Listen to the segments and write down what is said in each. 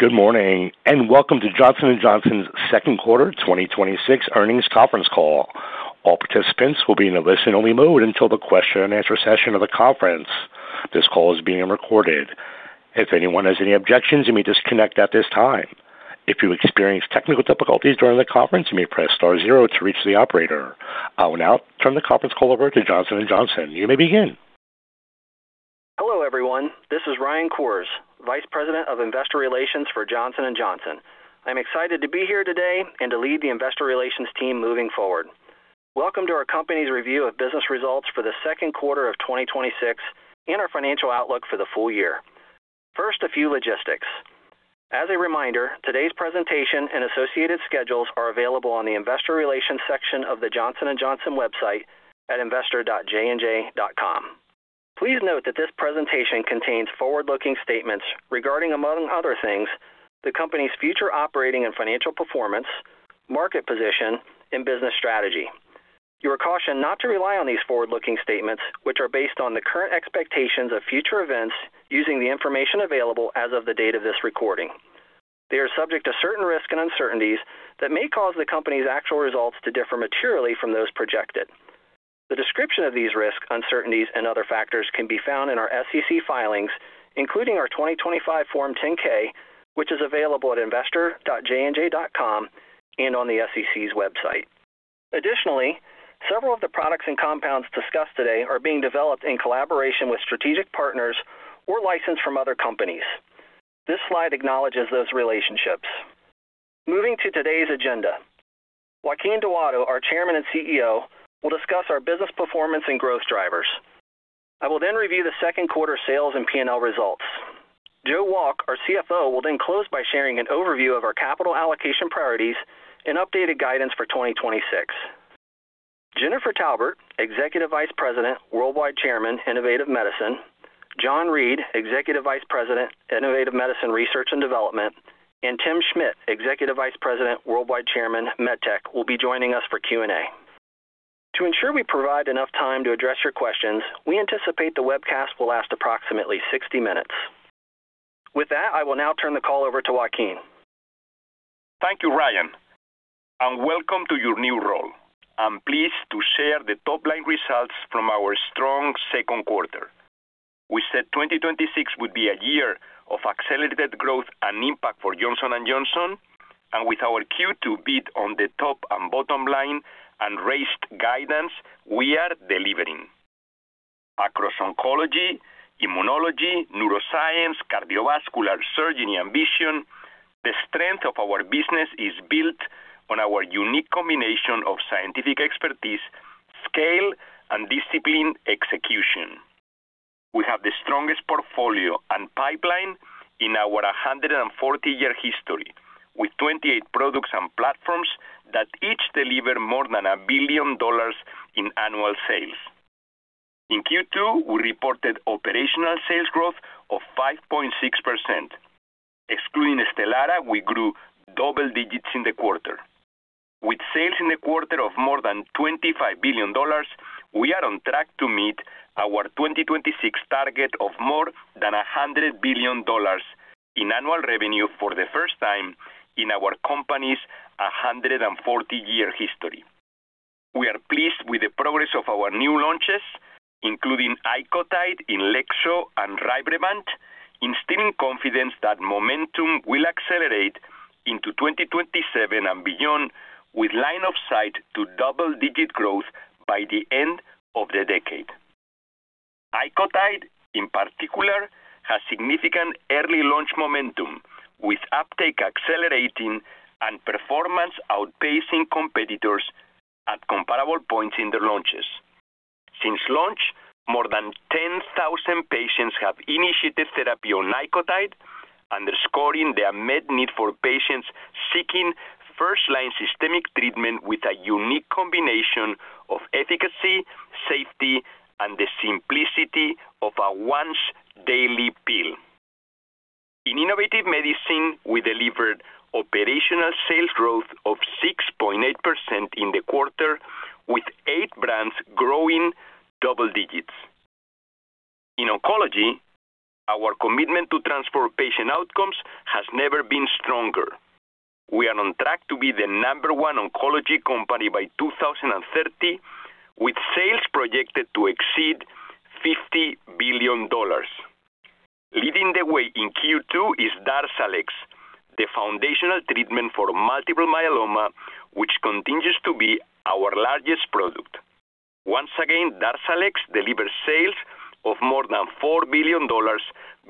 Good morning. Welcome to Johnson & Johnson's second quarter 2026 earnings conference call. All participants will be in a listen-only mode until the question-and-answer session of the conference. This call is being recorded. If anyone has any objections, you may disconnect at this time. If you experience technical difficulties during the conference, you may press star zero to reach the operator. I will now turn the conference call over to Johnson & Johnson. You may begin. Hello, everyone. This is Ryan Koors, Vice President of Investor Relations for Johnson & Johnson. I'm excited to be here today and to lead the Investor Relations team moving forward. Welcome to our company's review of business results for the second quarter of 2026 and our financial outlook for the full year. First, a few logistics. As a reminder, today's presentation and associated schedules are available on the Investor Relations section of the Johnson & Johnson website at investor.jnj.com. Please note that this presentation contains forward-looking statements regarding, among other things, the company's future operating and financial performance, market position, and business strategy. You are cautioned not to rely on these forward-looking statements, which are based on the current expectations of future events using the information available as of the date of this recording. They are subject to certain risks and uncertainties that may cause the company's actual results to differ materially from those projected. The description of these risks, uncertainties, and other factors can be found in our SEC filings, including our 2025 Form 10-K, which is available at investor.jnj.com and on the SEC's website. Additionally, several of the products and compounds discussed today are being developed in collaboration with strategic partners or licensed from other companies. This slide acknowledges those relationships. Moving to today's agenda. Joaquin Duato, our Chairman and CEO, will discuss our business performance and growth drivers. I will then review the second quarter sales and P&L results. Joe Wolk, our CFO, will close by sharing an overview of our capital allocation priorities and updated guidance for 2026. Jennifer Taubert, Executive Vice President, Worldwide Chairman, Innovative Medicine; John Reed, Executive Vice President, Innovative Medicine Research and Development; and Tim Schmid, Executive Vice President, Worldwide Chairman, MedTech, will be joining us for Q&A. To ensure we provide enough time to address your questions, we anticipate the webcast will last approximately 60 min. With that, I will now turn the call over to Joaquin. Thank you, Ryan, and welcome to your new role. I'm pleased to share the top-line results from our strong second quarter. We said 2026 would be a year of accelerated growth and impact for Johnson & Johnson, and with our Q2 beat on the top and bottom line and raised guidance, we are delivering. Across oncology, immunology, neuroscience, cardiovascular surgery ambition, the strength of our business is built on our unique combination of scientific expertise, scale, and disciplined execution. We have the strongest portfolio and pipeline in our 140 yr history, with 28 products and platforms that each deliver more than $1 billion in annual sales. In Q2, we reported operational sales growth of 5.6%. Excluding STELARA, we grew double digits in the quarter. With sales in the quarter of more than $25 billion, we are on track to meet our 2026 target of more than $100 billion in annual revenue for the first time in our company's 140 yr history. We are pleased with the progress of our new launches, including ICOTYDE, INLEXZO, and RYBREVANT, instilling confidence that momentum will accelerate into 2027 and beyond, with line of sight to double-digit growth by the end of the decade. ICOTYDE, in particular, has significant early launch momentum, with uptake accelerating and performance outpacing competitors at comparable points in their launches. Since launch, more than 10,000 patients have initiated therapy on ICOTYDE, underscoring the unmet need for patients seeking first-line systemic treatment with a unique combination of efficacy, safety, and the simplicity of a once-daily pill. In Innovative Medicine, we delivered operational sales growth of 6.8% in the quarter, with eight brands growing double digits. In oncology, our commitment to transform patient outcomes has never been stronger. We are on track to be the number one oncology company by 2030, with sales projected to exceed $50 billion. Leading the way in Q2 is DARZALEX, the foundational treatment for multiple myeloma, which continues to be our largest product. Once again, DARZALEX delivered sales of more than $4 billion,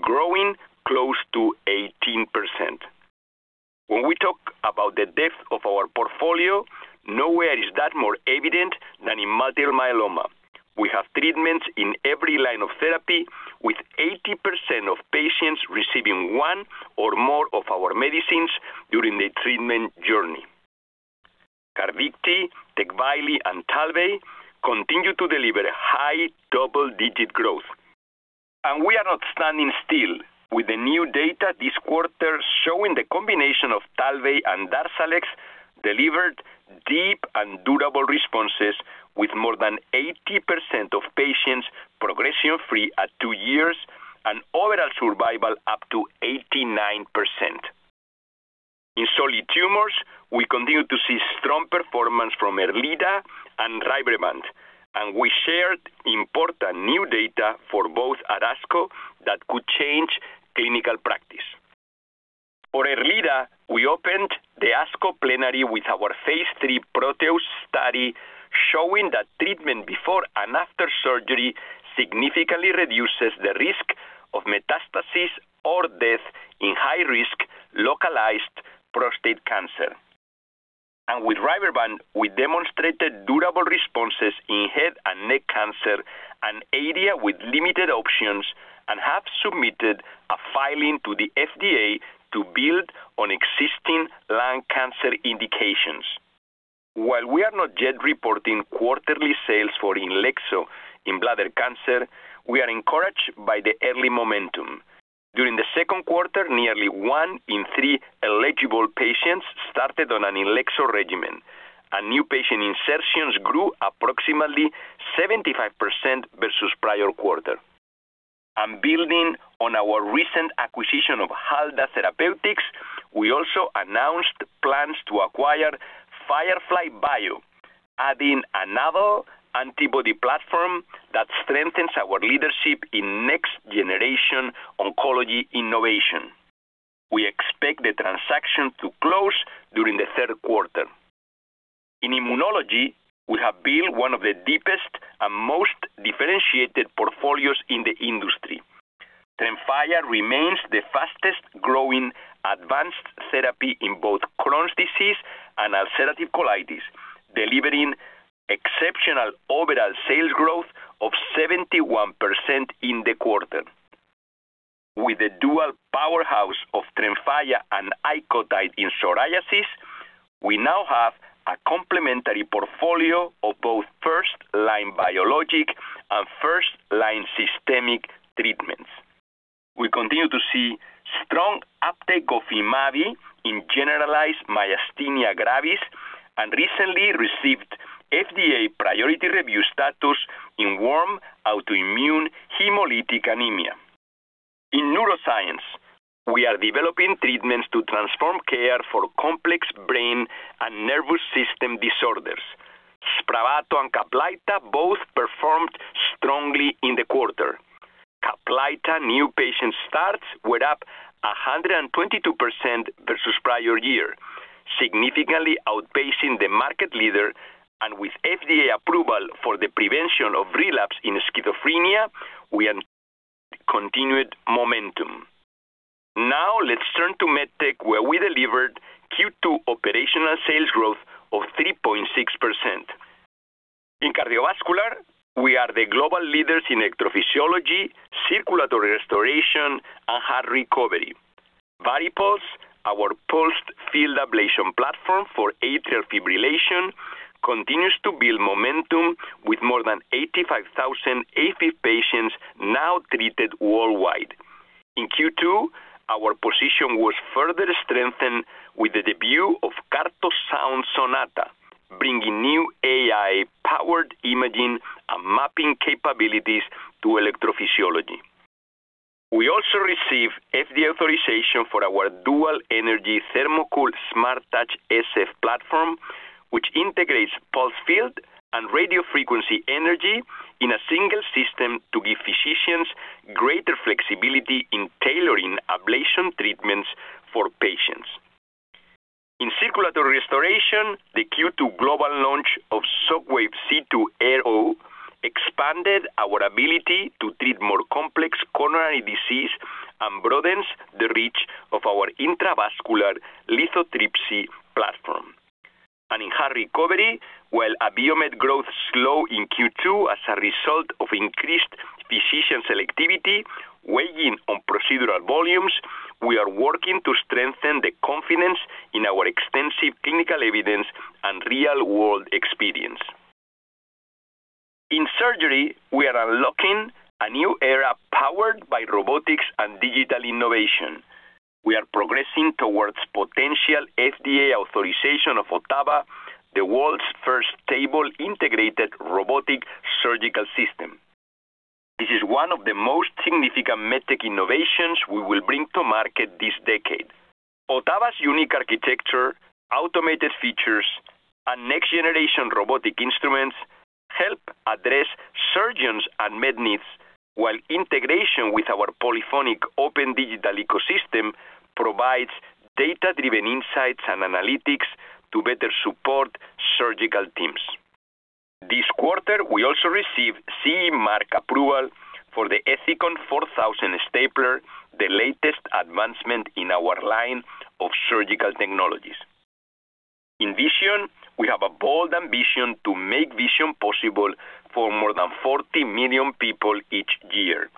growing close to 18%. When we talk about the depth of our portfolio, nowhere is that more evident than in multiple myeloma. We have treatments in every line of therapy, with 80% of patients receiving one or more of our medicines during their treatment journey. CARVYKTI, TECVAYLI, and TALVEY continue to deliver high double-digit growth. We are not standing still, with the new data this quarter showing the combination of TALVEY and DARZALEX delivered deep and durable responses with more than 80% of patients progression-free at two years and overall survival up to 89%. In solid tumors, we continue to see strong performance from ERLEADA and RYBREVANT. We shared important new data for both at ASCO that could change clinical practice. For ERLEADA, we opened the ASCO plenary with our phase III PROTEUS study, showing that treatment before and after surgery significantly reduces the risk of metastasis or death in high-risk localized prostate cancer. With RYBREVANT, we demonstrated durable responses in head and neck cancer, an area with limited options, and have submitted a filing to the FDA to build on existing lung cancer indications. While we are not yet reporting quarterly sales for INLEXZO in bladder cancer, we are encouraged by the early momentum. During the second quarter, nearly one in three eligible patients started on an INLEXZO regimen, and new patient insertions grew approximately 75% versus prior quarter. Building on our recent acquisition of Halda Therapeutics, we also announced plans to acquire Firefly Bio, adding another antibody platform that strengthens our leadership in next-generation oncology innovation. We expect the transaction to close during the third quarter. In immunology, we have built one of the deepest and most differentiated portfolios in the industry. TREMFYA remains the fastest-growing advanced therapy in both Crohn's disease and ulcerative colitis, delivering exceptional overall sales growth of 71% in the quarter. With a dual powerhouse of TREMFYA and ICOTYDE in psoriasis, we now have a complementary portfolio of both first-line biologic and first-line systemic treatments. We continue to see strong uptake of IMAAVY in generalized myasthenia gravis and recently received FDA priority review status in warm autoimmune hemolytic anemia. In neuroscience, we are developing treatments to transform care for complex brain and nervous system disorders. SPRAVATO and CAPLYTA both performed strongly in the quarter. CAPLYTA new patient starts were up 122% versus prior year, significantly outpacing the market leader. With FDA approval for the prevention of relapse in schizophrenia, we anticipate continued momentum. Now let's turn to MedTech, where we delivered Q2 operational sales growth of 3.6%. In cardiovascular, we are the global leaders in electrophysiology, circulatory restoration, and heart recovery. VARIPULSE, our pulsed field ablation platform for atrial fibrillation, continues to build momentum with more than 85,000 AFib patients now treated worldwide. In Q2, our position was further strengthened with the debut of CARTOSOUND SONATA, bringing new AI-powered imaging and mapping capabilities to electrophysiology. We also received FDA authorization for our Dual-Energy THERMOCOOL SMARTTOUCH SF Platform, which integrates pulsed field and radiofrequency energy in a single system to give physicians greater flexibility in tailoring ablation treatments for patients. In circulatory restoration, the Q2 global launch of Shockwave C2 Aero expanded our ability to treat more complex coronary disease and broadens the reach of our intravascular lithotripsy platform. In heart recovery, while Abiomed growth slowed in Q2 as a result of increased physician selectivity weighing on procedural volumes, we are working to strengthen the confidence in our extensive clinical evidence and real-world experience. In surgery, we are unlocking a new era powered by robotics and digital innovation. We are progressing towards potential FDA authorization of OTTAVA, the world's first table-integrated robotic surgical system. This is one of the most significant MedTech innovations we will bring to market this decade. OTTAVA's unique architecture, automated features, and next-generation robotic instruments help address surgeons and med needs, while integration with our Polyphonic open digital ecosystem provides data-driven insights and analytics to better support surgical teams. This quarter, we also received CE mark approval for the ETHICON 4000 Stapler, the latest advancement in our line of surgical technologies. In vision, we have a bold ambition to make vision possible for more than 40 million people each year.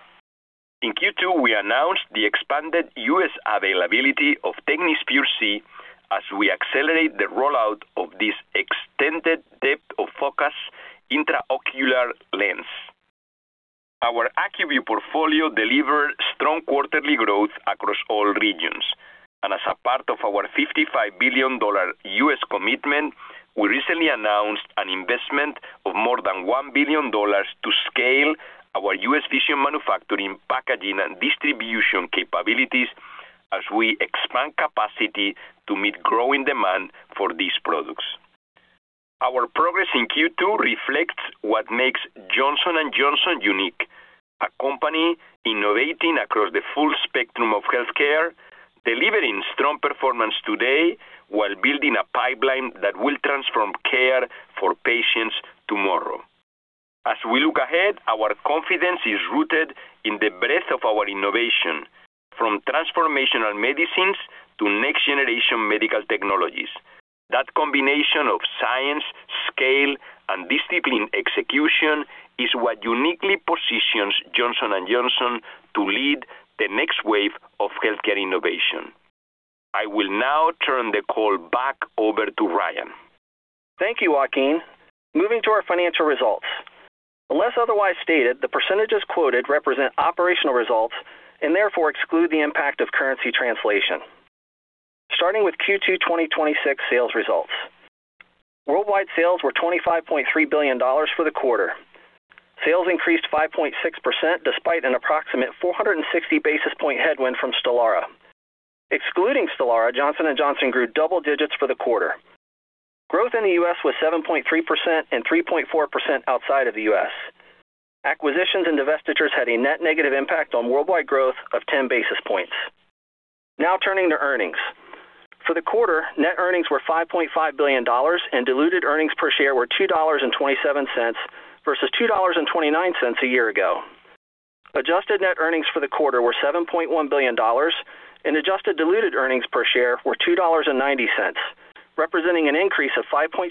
In Q2, we announced the expanded U.S. availability of TECNIS PureSee as we accelerate the rollout of this extended depth of focus intraocular lens. Our ACUVUE portfolio delivered strong quarterly growth across all regions. As a part of our $55 billion U.S. commitment, we recently announced an investment of more than $1 billion to scale our U.S. Vision manufacturing, packaging, and distribution capabilities as we expand capacity to meet growing demand for these products. Our progress in Q2 reflects what makes Johnson & Johnson unique, a company innovating across the full spectrum of healthcare, delivering strong performance today while building a pipeline that will transform care for patients tomorrow. As we look ahead, our confidence is rooted in the breadth of our innovation, from transformational medicines to next-generation medical technologies. That combination of science, scale, and disciplined execution is what uniquely positions Johnson & Johnson to lead the next wave of healthcare innovation. I will now turn the call back over to Ryan. Thank you, Joaquin. Moving to our financial results. Unless otherwise stated, the percentages quoted represent operational results and therefore exclude the impact of currency translation. Starting with Q2 2026 sales results. Worldwide sales were $25.3 billion for the quarter. Sales increased 5.6% despite an approximate 460 basis point headwind from STELARA. Excluding STELARA, Johnson & Johnson grew double digits for the quarter. Growth in the U.S. was 7.3% and 3.4% outside of the U.S. Acquisitions and divestitures had a net negative impact on worldwide growth of 10 basis points. Now turning to earnings. For the quarter, net earnings were $5.5 billion and diluted earnings per share were $2.27 versus $2.29 a year ago. Adjusted net earnings for the quarter were $7.1 billion and adjusted diluted earnings per share were $2.90, representing an increase of 5.7%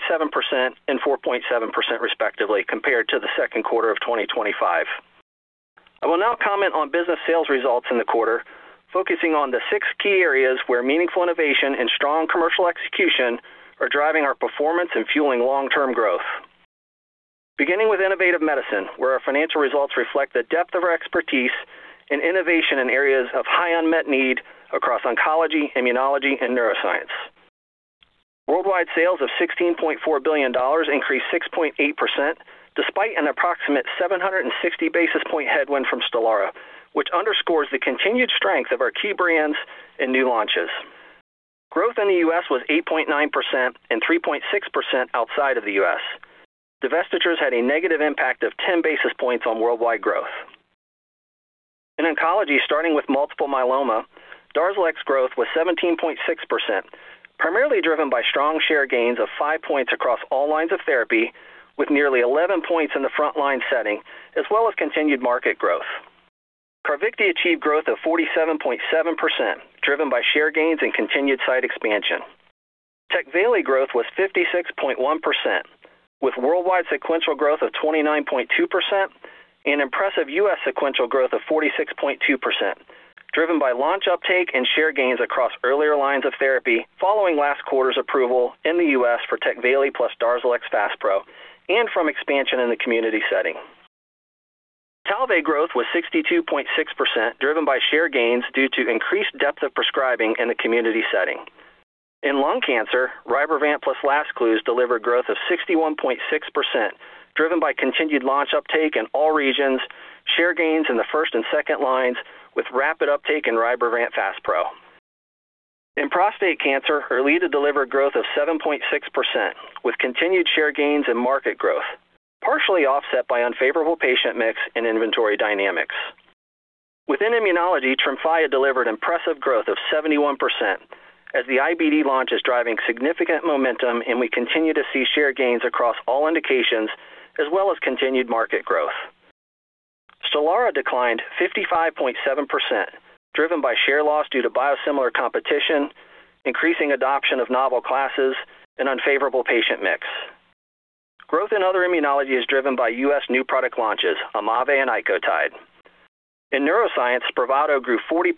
and 4.7% respectively compared to the second quarter of 2025. I will now comment on business sales results in the quarter, focusing on the six key areas where meaningful innovation and strong commercial execution are driving our performance and fueling long-term growth. Beginning with Innovative Medicine, where our financial results reflect the depth of our expertise and innovation in areas of high unmet need across oncology, immunology, and neuroscience. Worldwide sales of $16.4 billion increased 6.8%, despite an approximate 760 basis point headwind from STELARA, which underscores the continued strength of our key brands and new launches. Growth in the U.S. was 8.9% and 3.6% outside of the U.S. Divestitures had a negative impact of 10 basis points on worldwide growth. In oncology, starting with multiple myeloma, DARZALEX growth was 17.6%, primarily driven by strong share gains of five points across all lines of therapy with nearly 11 points in the frontline setting as well as continued market growth. CARVYKTI achieved growth of 47.7%, driven by share gains and continued site expansion. TECVAYLI growth was 56.1%, with worldwide sequential growth of 29.2% and impressive U.S. sequential growth of 46.2%, driven by launch uptake and share gains across earlier lines of therapy following last quarter's approval in the U.S. for TECVAYLI plus DARZALEX FASPRO and from expansion in the community setting. TALVEY growth was 62.6%, driven by share gains due to increased depth of prescribing in the community setting. In lung cancer, RYBREVANT plus LAZCLUZE delivered growth of 61.6%, driven by continued launch uptake in all regions, share gains in the first and second lines with rapid uptake in RYBREVANT FASPRO. In prostate cancer, ERLEADA delivered growth of 7.6% with continued share gains and market growth, partially offset by unfavorable patient mix and inventory dynamics. Within immunology, TREMFYA delivered impressive growth of 71% as the IBD launch is driving significant momentum and we continue to see share gains across all indications as well as continued market growth. STELARA declined 55.7%, driven by share loss due to biosimilar competition, increasing adoption of novel classes, and unfavorable patient mix. Growth in other immunology is driven by U.S. new product launches, IMAAVY and ICOTYDE. In neuroscience, SPRAVATO grew 40%,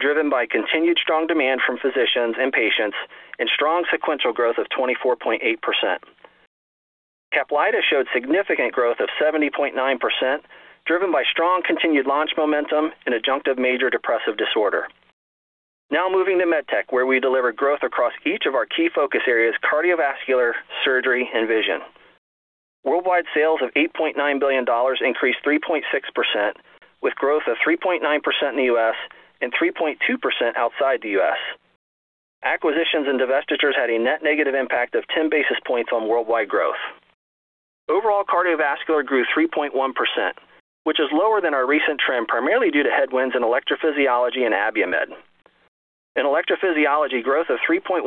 driven by continued strong demand from physicians and patients and strong sequential growth of 24.8%. CAPLYTA showed significant growth of 70.9%, driven by strong continued launch momentum in adjunctive major depressive disorder. Moving to MedTech, where we delivered growth across each of our key focus areas, cardiovascular, surgery, and vision. Worldwide sales of $8.9 billion increased 3.6% with growth of 3.9% in the U.S. and 3.2% outside the U.S. Acquisitions and divestitures had a net negative impact of 10 basis points on worldwide growth. Overall, cardiovascular grew 3.1%, which is lower than our recent trend, primarily due to headwinds in electrophysiology and Abiomed. In electrophysiology, growth of 3.1%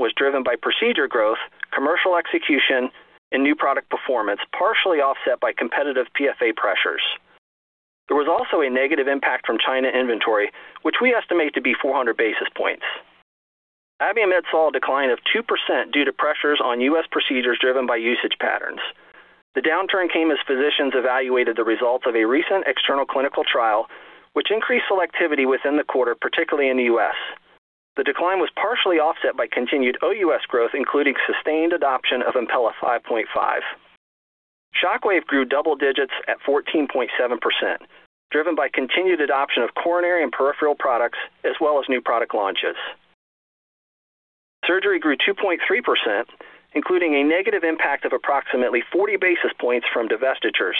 was driven by procedure growth, commercial execution, and new product performance, partially offset by competitive PFA pressures. There was also a negative impact from China inventory, which we estimate to be 400 basis points. Abiomed saw a decline of 2% due to pressures on U.S. procedures driven by usage patterns. The downturn came as physicians evaluated the results of a recent external clinical trial, which increased selectivity within the quarter, particularly in the U.S. The decline was partially offset by continued OUS growth, including sustained adoption of Impella 5.5. Shockwave grew double digits at 14.7%, driven by continued adoption of coronary and peripheral products, as well as new product launches. Surgery grew 2.3%, including a negative impact of approximately 40 basis points from divestitures.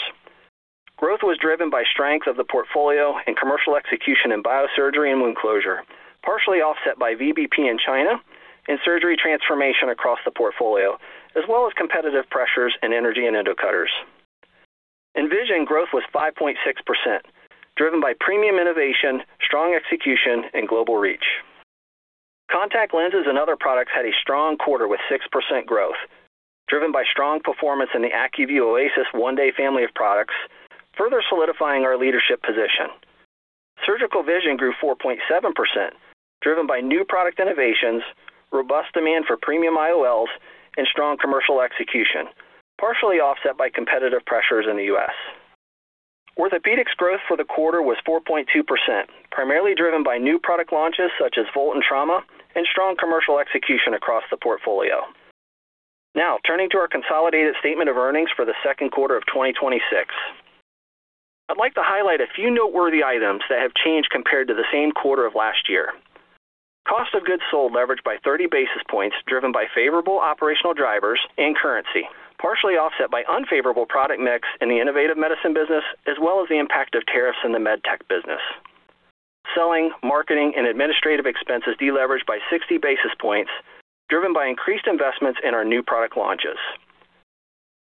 Growth was driven by strength of the portfolio and commercial execution in biosurgery and wound closure, partially offset by VBP in China and surgery transformation across the portfolio, as well as competitive pressures in energy and endo cutters. Vision growth was 5.6%, driven by premium innovation, strong execution, and global reach. Contact lenses and other products had a strong quarter with 6% growth, driven by strong performance in the ACUVUE OASYS 1-Day family of products, further solidifying our leadership position. Surgical vision grew 4.7%, driven by new product innovations, robust demand for premium IOLs, and strong commercial execution, partially offset by competitive pressures in the U.S. Orthopedics growth for the quarter was 4.2%, primarily driven by new product launches such as VOLT in Trauma and strong commercial execution across the portfolio. Turning to our consolidated statement of earnings for the second quarter of 2026. I'd like to highlight a few noteworthy items that have changed compared to the same quarter of last year. Cost of goods sold leveraged by 30 basis points, driven by favorable operational drivers and currency, partially offset by unfavorable product mix in the Innovative Medicine business, as well as the impact of tariffs in the MedTech business. Selling, marketing, and administrative expenses deleveraged by 60 basis points, driven by increased investments in our new product launches.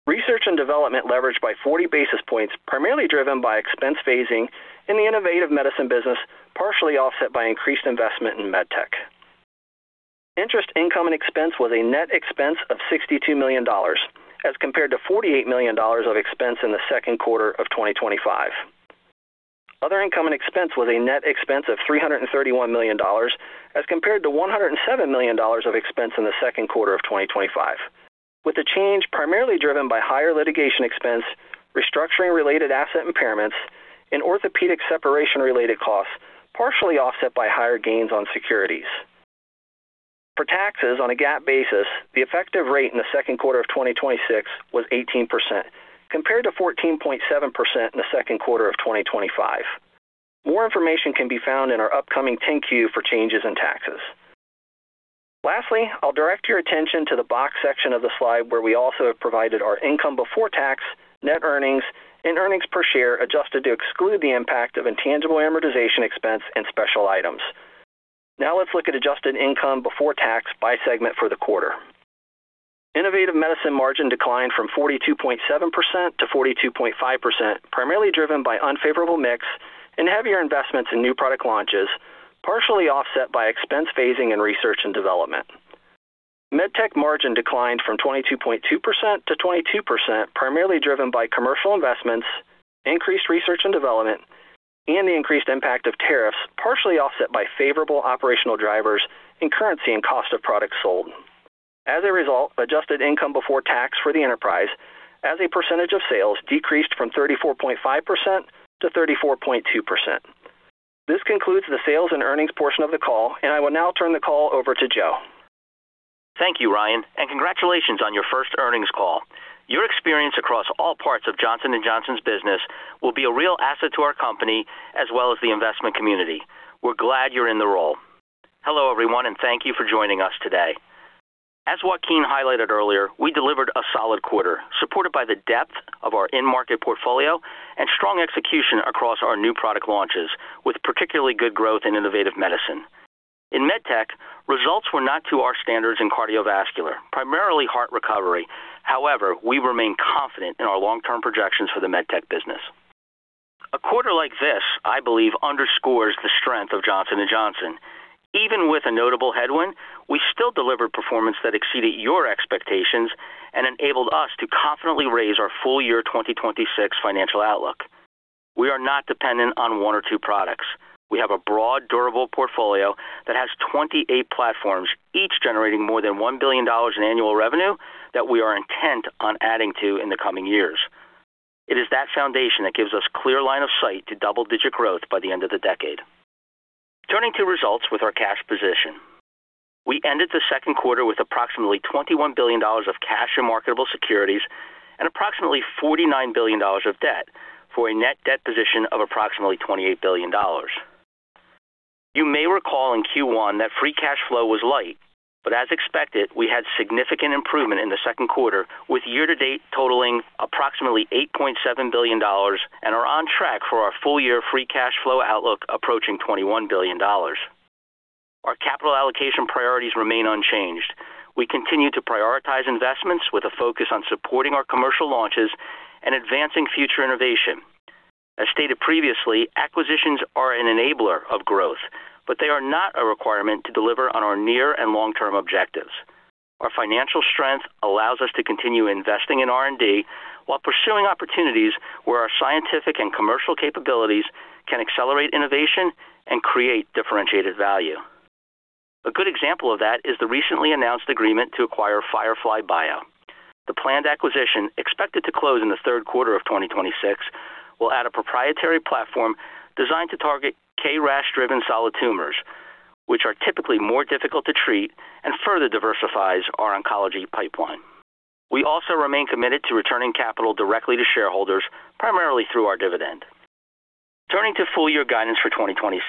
Research & Development leveraged by 40 basis points, primarily driven by expense phasing in the Innovative Medicine business, partially offset by increased investment in MedTech. Interest income and expense was a net expense of $62 million, as compared to $48 million of expense in the second quarter of 2025. Other income and expense was a net expense of $331 million, as compared to $107 million of expense in the second quarter of 2025, with the change primarily driven by higher litigation expense, restructuring-related asset impairments, and orthopedic separation-related costs, partially offset by higher gains on securities. For taxes on a GAAP basis, the effective rate in the second quarter of 2026 was 18%, compared to 14.7% in the second quarter of 2025. More information can be found in our upcoming 10-Q for changes in taxes. Lastly, I'll direct your attention to the box section of the slide where we also have provided our income before tax, net earnings, and earnings per share adjusted to exclude the impact of intangible amortization expense and special items. Let's look at adjusted income before tax by segment for the quarter. Innovative Medicine margin declined from 42.7% to 42.5%, primarily driven by unfavorable mix and heavier investments in new product launches, partially offset by expense phasing in research and development. MedTech margin declined from 22.2% to 22%, primarily driven by commercial investments, increased research and development, and the increased impact of tariffs, partially offset by favorable operational drivers in currency and cost of products sold. As a result, adjusted income before tax for the enterprise as a percentage of sales decreased from 34.5% to 34.2%. This concludes the sales and earnings portion of the call. I will now turn the call over to Joe. Thank you, Ryan. Congratulations on your first earnings call. Your experience across all parts of Johnson & Johnson's business will be a real asset to our company as well as the investment community. We're glad you're in the role. Hello, everyone. Thank you for joining us today. As Joaquin highlighted earlier, we delivered a solid quarter, supported by the depth of our in-market portfolio and strong execution across our new product launches, with particularly good growth in Innovative Medicine. In MedTech, results were not to our standards in cardiovascular, primarily heart recovery. However, we remain confident in our long-term projections for the MedTech business. A quarter like this, I believe, underscores the strength of Johnson & Johnson. Even with a notable headwind, we still delivered performance that exceeded your expectations and enabled us to confidently raise our full year 2026 financial outlook. We are not dependent on one or two products. We have a broad, durable portfolio that has 28 platforms, each generating more than $1 billion in annual revenue that we are intent on adding to in the coming years. It is that foundation that gives us clear line of sight to double-digit growth by the end of the decade. Turning to results with our cash position. We ended the second quarter with approximately $21 billion of cash and marketable securities and approximately $49 billion of debt, for a net debt position of approximately $28 billion. You may recall in Q1 that free cash flow was light. As expected, we had significant improvement in the second quarter with year to date totaling approximately $8.7 billion and are on track for our full year free cash flow outlook approaching $21 billion. Our capital allocation priorities remain unchanged. We continue to prioritize investments with a focus on supporting our commercial launches and advancing future innovation. As stated previously, acquisitions are an enabler of growth, but they are not a requirement to deliver on our near and long-term objectives. Our financial strength allows us to continue investing in R&D while pursuing opportunities where our scientific and commercial capabilities can accelerate innovation and create differentiated value. A good example of that is the recently announced agreement to acquire Firefly Bio. The planned acquisition, expected to close in the third quarter of 2026, will add a proprietary platform designed to target KRAS-driven solid tumors, which are typically more difficult to treat and further diversifies our oncology pipeline. We also remain committed to returning capital directly to shareholders, primarily through our dividend. Turning to full-year guidance for 2026.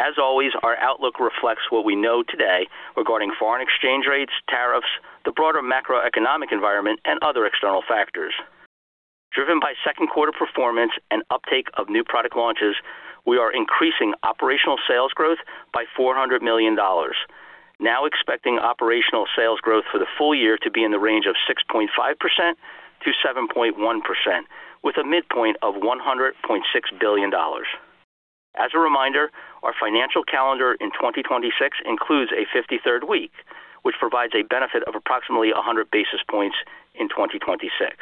As always, our outlook reflects what we know today regarding foreign exchange rates, tariffs, the broader macroeconomic environment, and other external factors. Driven by second quarter performance and uptake of new product launches, we are increasing operational sales growth by $400 million, now expecting operational sales growth for the full year to be in the range of 6.5%-7.1%, with a midpoint of $100.6 billion. As a reminder, our financial calendar in 2026 includes a 53rd week, which provides a benefit of approximately 100 basis points in 2026.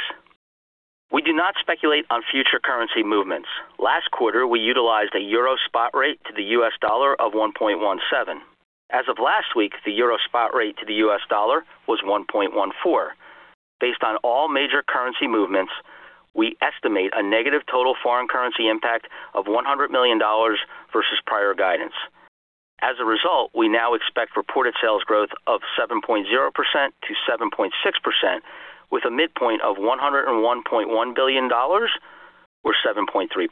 We do not speculate on future currency movements. Last quarter, we utilized a euro spot rate to the U.S. dollar of 1.17. As of last week, the euro spot rate to the U.S. dollar was 1.14. Based on all major currency movements, we estimate a negative total foreign currency impact of $100 million versus prior guidance. As a result, we now expect reported sales growth of 7.0%-7.6%, with a midpoint of $101.1 billion or 7.3%.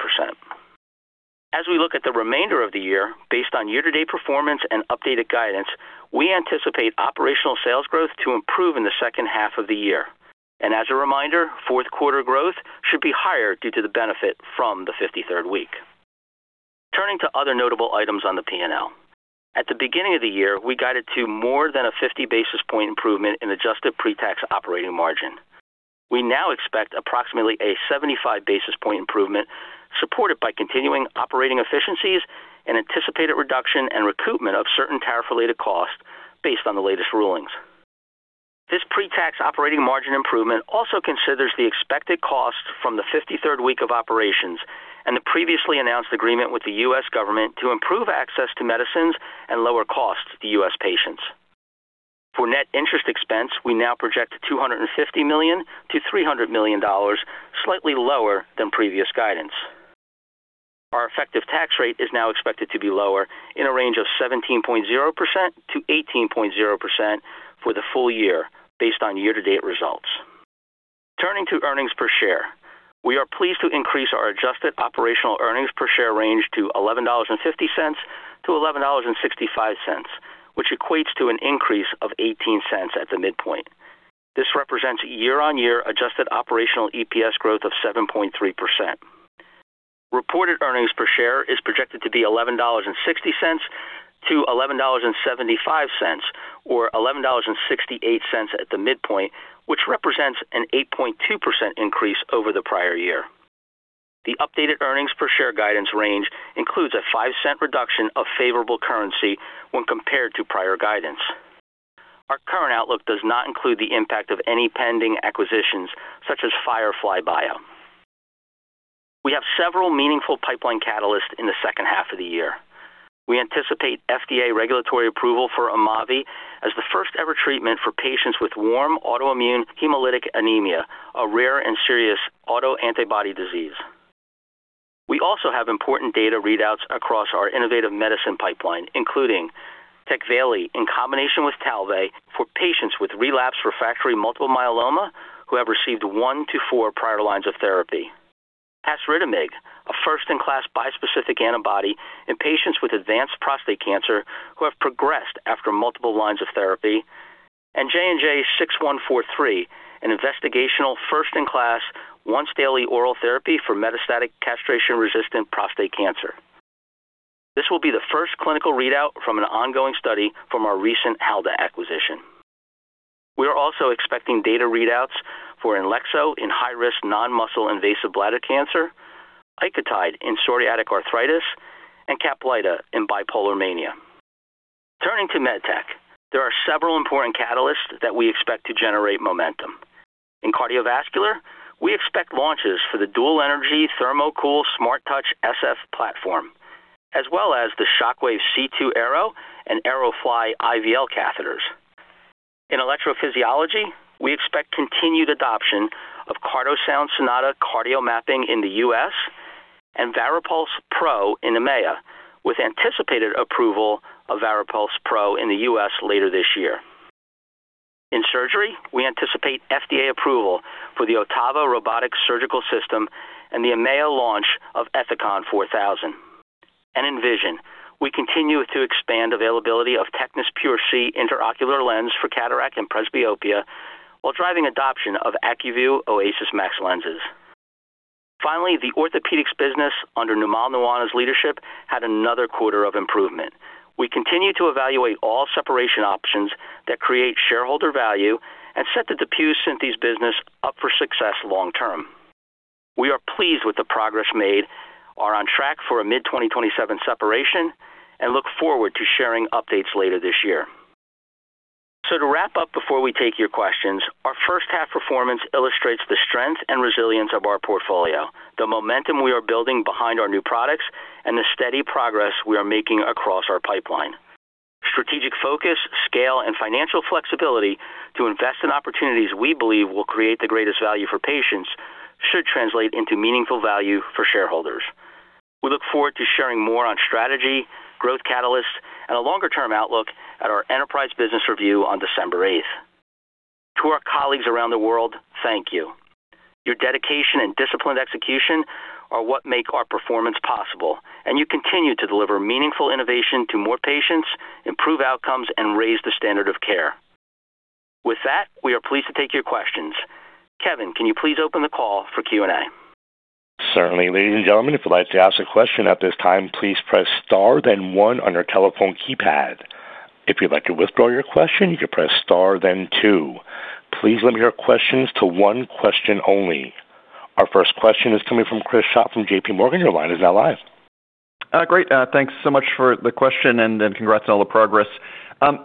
As we look at the remainder of the year, based on year-to-date performance and updated guidance, we anticipate operational sales growth to improve in the second half of the year. As a reminder, fourth quarter growth should be higher due to the benefit from the 53rd week. Turning to other notable items on the P&L. At the beginning of the year, we guided to more than a 50 basis point improvement in adjusted pre-tax operating margin. We now expect approximately a 75 basis point improvement, supported by continuing operating efficiencies and anticipated reduction and recoupment of certain tariff-related costs based on the latest rulings. This pre-tax operating margin improvement also considers the expected costs from the 53rd week of operations and the previously announced agreement with the U.S. government to improve access to medicines and lower costs to U.S. patients. For net interest expense, we now project $250 million-$300 million, slightly lower than previous guidance. Our effective tax rate is now expected to be lower in a range of 17.0%-18.0% for the full year based on year-to-date results. Turning to earnings per share. We are pleased to increase our adjusted operational earnings per share range to $11.50-$11.65, which equates to an increase of $0.18 at the midpoint. This represents a year-on-year adjusted operational EPS growth of 7.3%. Reported earnings per share is projected to be $11.60-$11.75, or $11.68 at the midpoint, which represents an 8.2% increase over the prior year. The updated earnings per share guidance range includes a $0.05 reduction of favorable currency when compared to prior guidance. Our current outlook does not include the impact of any pending acquisitions such as Firefly Bio. We have several meaningful pipeline catalysts in the second half of the year. We anticipate FDA regulatory approval for IMAAVY as the first-ever treatment for patients with warm autoimmune hemolytic anemia, a rare and serious autoantibody disease. We also have important data readouts across our Innovative Medicine pipeline, including TECVAYLI in combination with TALVEY for patients with relapsed refractory multiple myeloma who have received one to four prior lines of therapy. Pasritamig, a first-in-class bispecific antibody in patients with advanced prostate cancer who have progressed after multiple lines of therapy. J&J-6143, an investigational first-in-class, once-daily oral therapy for metastatic castration-resistant prostate cancer. This will be the first clinical readout from an ongoing study from our recent Halda acquisition. We are also expecting data readouts for INLEXZO in high-risk non-muscle invasive bladder cancer, ICOTYDE in psoriatic arthritis, and CAPLYTA in bipolar mania. Turning to MedTech, there are several important catalysts that we expect to generate momentum. In cardiovascular, we expect launches for the Dual Energy THERMOCOOL SMARTTOUCH SF Platform, as well as the Shockwave C2 Aero and Aero Fly IVL catheters. In electrophysiology, we expect continued adoption of CARTOSOUND SONATA cardio mapping in the U.S. and VARIPULSE Pro in EMEA, with anticipated approval of VARIPULSE Pro in the U.S. later this year. In surgery, we anticipate FDA approval for the OTTAVA robotic surgical system and the EMEA launch of ETHICON 4000. In vision, we continue to expand availability of TECNIS PureSee intraocular lens for cataract and presbyopia while driving adoption of ACUVUE OASYS MAX lenses. Finally, the orthopedics business under Namal Nawana's leadership had another quarter of improvement. We continue to evaluate all separation options that create shareholder value and set the DePuy Synthes business up for success long term. We are pleased with the progress made, are on track for a mid-2027 separation, and look forward to sharing updates later this year. To wrap up before we take your questions, our first half performance illustrates the strength and resilience of our portfolio, the momentum we are building behind our new products, and the steady progress we are making across our pipeline. Strategic focus, scale, and financial flexibility to invest in opportunities we believe will create the greatest value for patients should translate into meaningful value for shareholders. We look forward to sharing more on strategy, growth catalysts, and a longer-term outlook at our enterprise business review on December 8th. To our colleagues around the world, thank you. Your dedication and disciplined execution are what make our performance possible, and you continue to deliver meaningful innovation to more patients, improve outcomes, and raise the standard of care. With that, we are pleased to take your questions. Kevin, can you please open the call for Q&A? Certainly. Ladies and gentlemen, if you'd like to ask a question at this time, please press star then one on your telephone keypad. If you'd like to withdraw your question, you can press star then two. Please limit your questions to one question only. Our first question is coming from Chris Schott from JPMorgan. Your line is now live. Great. Thanks so much for the question. Congrats on all the progress.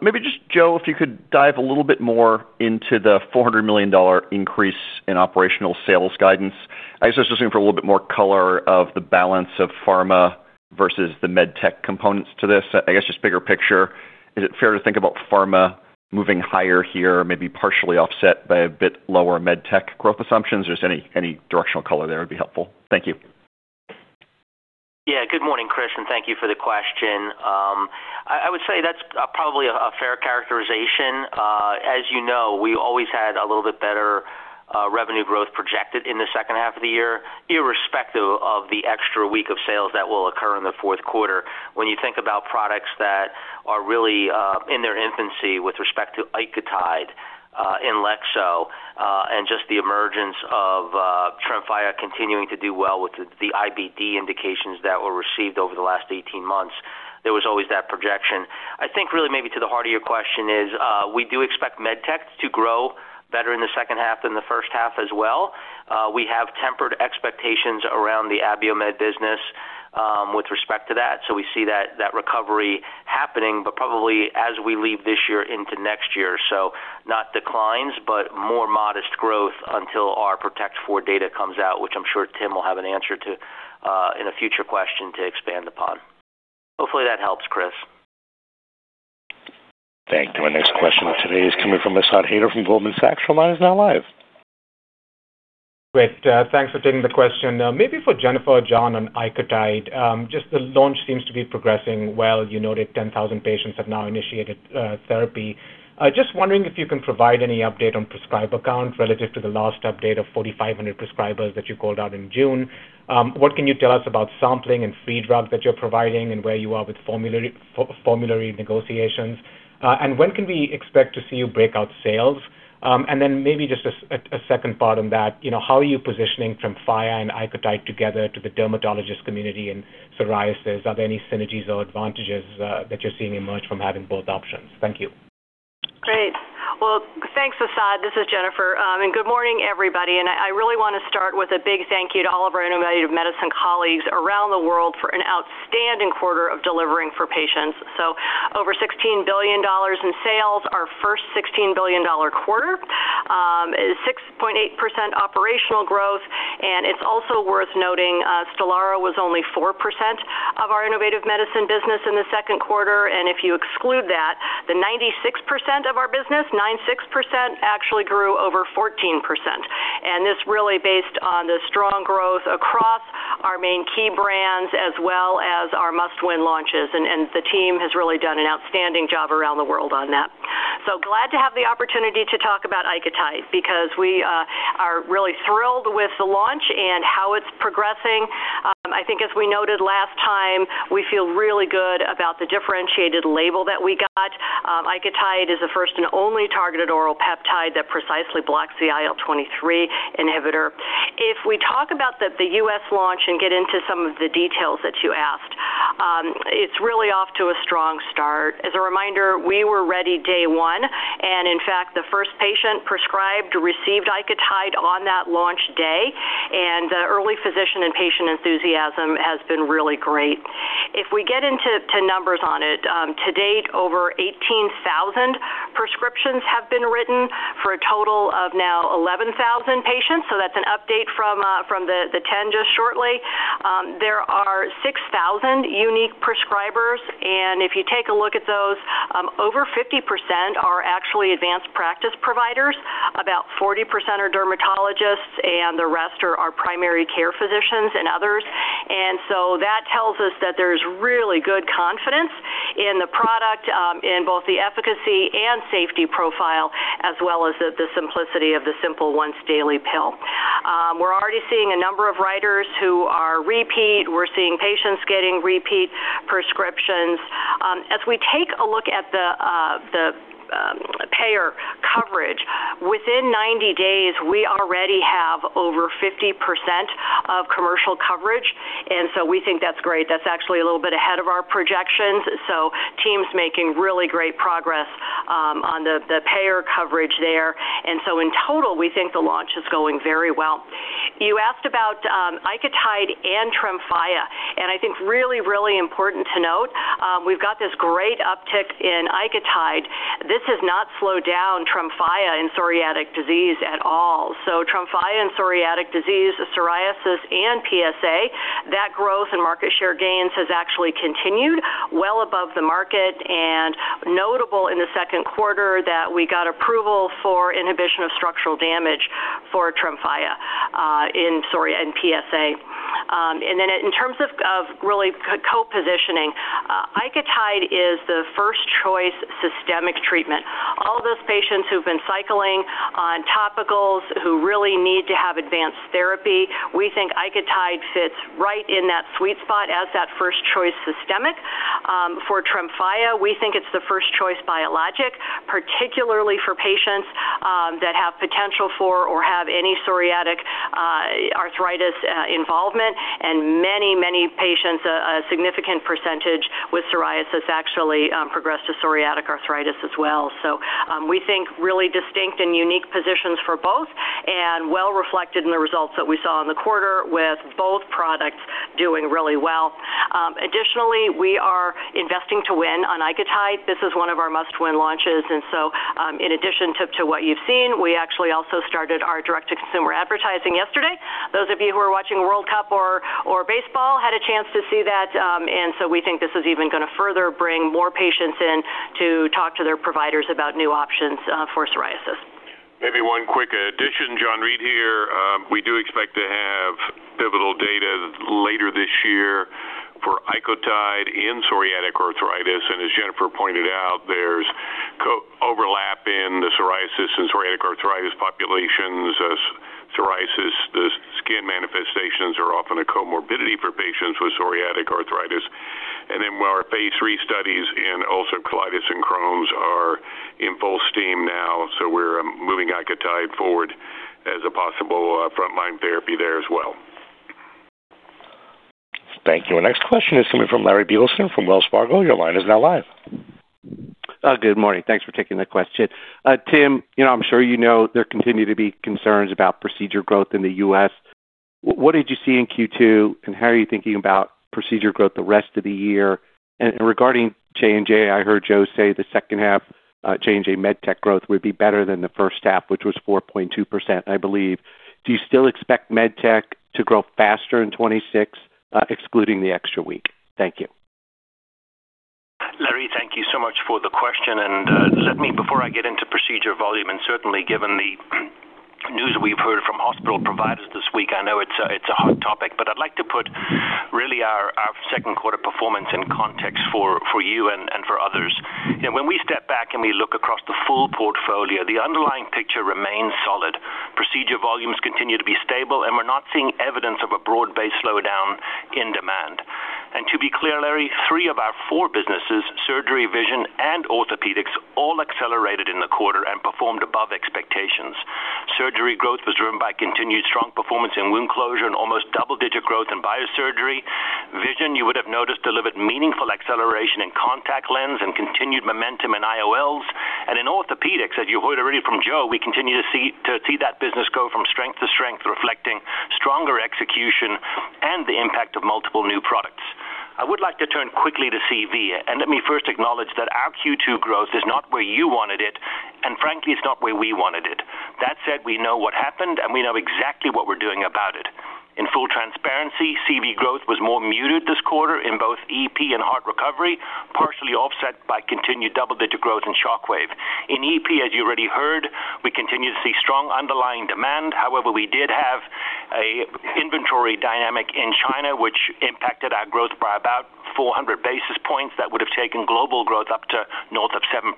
Maybe just, Joe, if you could dive a little bit more into the $400 million increase in operational sales guidance. I guess I was just looking for a little bit more color of the balance of pharma versus the MedTech components to this. I guess just bigger picture, is it fair to think about pharma moving higher here, maybe partially offset by a bit lower MedTech growth assumptions? Just any directional color there would be helpful. Thank you. Yeah. Good morning, Chris. Thank you for the question. I would say that's probably a fair characterization. As you know, we always had a little bit better revenue growth projected in the second half of the year, irrespective of the extra week of sales that will occur in the fourth quarter. When you think about products that are really in their infancy with respect to ICOTYDE, INLEXZO, and just the emergence of TREMFYA continuing to do well with the IBD indications that were received over the last 18 months, there was always that projection. I think really maybe to the heart of your question is, we do expect MedTech to grow better in the second half than the first half as well. We have tempered expectations around the Abiomed business with respect to that. We see that recovery happening, but probably as we leave this year into next year. Not declines, but more modest growth until our PROTECT IV data comes out, which I'm sure Tim will have an answer to in a future question to expand upon. Hopefully that helps, Chris. Thank you. Our next question today is coming from Asad Haider from Goldman Sachs. Your line is now live. Great. Thanks for taking the question. Maybe for Jennifer or John on ICOTYDE. The launch seems to be progressing well. You noted 10,000 patients have now initiated therapy. Just wondering if you can provide any update on prescriber count relative to the last update of 4,500 prescribers that you called out in June. What can you tell us about sampling and free drugs that you're providing and where you are with formulary negotiations? When can we expect to see you break out sales? Then maybe just a second part on that, how are you positioning TREMFYA and ICOTYDE together to the dermatologist community in psoriasis? Are there any synergies or advantages that you're seeing emerge from having both options? Thank you. Great. Well, thanks, Asad. This is Jennifer. Good morning, everybody. I really want to start with a big thank you to all of our Innovative Medicine colleagues around the world for an outstanding quarter of delivering for patients. Over $16 billion in sales, our first $16 billion quarter. 6.8% operational growth. It's also worth noting, STELARA was only 4% of our Innovative Medicine business in the second quarter. If you exclude that, the 96% of our business, 96%, actually grew over 14%. This really based on the strong growth across our main key brands as well as our must-win launches. The team has really done an outstanding job around the world on that. Glad to have the opportunity to talk about ICOTYDE because we are really thrilled with the launch and how it's progressing. I think as we noted last time, we feel really good about the differentiated label that we got. ICOTYDE is the first and only targeted oral peptide that precisely blocks the IL-23 inhibitor. We talk about the U.S. launch and get into some of the details that you asked, it's really off to a strong start. As a reminder, we were ready day one, and in fact, the first patient prescribed received ICOTYDE on that launch day, and early physician and patient enthusiasm has been really great. We get into numbers on it, to date, over 18,000 prescriptions have been written for a total of now 11,000 patients. That's an update from the 10,000 just shortly. There are 6,000 unique prescribers, and if you take a look at those, over 50% are actually advanced practice providers. About 40% are dermatologists, and the rest are our primary care physicians and others. That tells us that there's really good confidence in the product, in both the efficacy and safety profile, as well as the simplicity of the simple once-daily pill. We're already seeing a number of writers who are repeat. We're seeing patients getting repeat prescriptions. As we take a look at the payer coverage, within 90 days, we already have over 50% of commercial coverage, we think that's great. That's actually a little bit ahead of our projections. Teams making really great progress on the payer coverage there. In total, we think the launch is going very well. You asked about ICOTYDE and TREMFYA, and I think really, really important to note, we've got this great uptick in ICOTYDE. This has not slowed down TREMFYA in psoriatic disease at all. TREMFYA in psoriatic disease, psoriasis, and PSA, that growth and market share gains has actually continued well above the market and notable in the second quarter that we got approval for inhibition of structural damage for TREMFYA in psoria and PSA. In terms of really co-positioning, ICOTYDE is the first-choice systemic treatment. All those patients who've been cycling on topicals who really need to have advanced therapy, we think ICOTYDE fits right in that sweet spot as that first-choice systemic. For TREMFYA, we think it's the first-choice biologic, particularly for patients that have potential for or have any psoriatic arthritis involvement, and many, many patients, a significant percentage with psoriasis actually progress to psoriatic arthritis as well. We think really distinct and unique positions for both, and well reflected in the results that we saw in the quarter with both products doing really well. Additionally, we are investing to win on ICOTYDE. This is one of our must-win launches. In addition to what you've seen, we actually also started our direct-to-consumer advertising yesterday. Those of you who are watching World Cup or baseball had a chance to see that. We think this is even going to further bring more patients in to talk to their providers about new options for psoriasis. Maybe one quick addition, John Reed here. We do expect to have pivotal data later this year for ICOTYDE in psoriatic arthritis, and as Jennifer pointed out, there's overlap in the psoriasis and psoriatic arthritis populations as psoriasis, the skin manifestations are often a comorbidity for patients with psoriatic arthritis. Our phase III studies in ulcerative colitis and Crohn's are in full steam now, we're moving ICOTYDE forward as a possible frontline therapy there as well. Thank you. Our next question is coming from Larry Biegelsen from Wells Fargo. Your line is now live. Good morning. Thanks for taking the question. Tim, I'm sure you know there continue to be concerns about procedure growth in the U.S. What did you see in Q2, and how are you thinking about procedure growth the rest of the year? Regarding J&J, I heard Joe say the second half J&J MedTech growth would be better than the first half, which was 4.2%, I believe. Do you still expect MedTech to grow faster in 2026, excluding the extra week? Thank you. Larry, thank you so much for the question. Let me, before I get into procedure volume, and certainly given the news we've heard from hospital providers this week, I know it's a hot topic, but I'd like to put really our second quarter performance in context for you and for others. When we step back and we look across the full portfolio, the underlying picture remains solid. Procedure volumes continue to be stable, and we're not seeing evidence of a broad-based slowdown in demand. To be clear, Larry, three of our four businesses, surgery, vision, and orthopedics, all accelerated in the quarter and performed above expectations. Surgery growth was driven by continued strong performance in wound closure and almost double-digit growth in biosurgery. Vision, you would've noticed, delivered meaningful acceleration in contact lens and continued momentum in IOLs. In orthopedics, as you heard already from Joe, we continue to see that business go from strength to strength, reflecting stronger execution and the impact of multiple new products. I would like to turn quickly to CV, and let me first acknowledge that our Q2 growth is not where you wanted it, and frankly, it's not where we wanted it. That said, we know what happened, and we know exactly what we're doing about it. In full transparency, CV growth was more muted this quarter in both EP and heart recovery, partially offset by continued double-digit growth in Shockwave. In EP, as you already heard, we continue to see strong underlying demand. However, we did have an inventory dynamic in China, which impacted our growth by about 400 basis points that would've taken global growth up to north of 7%.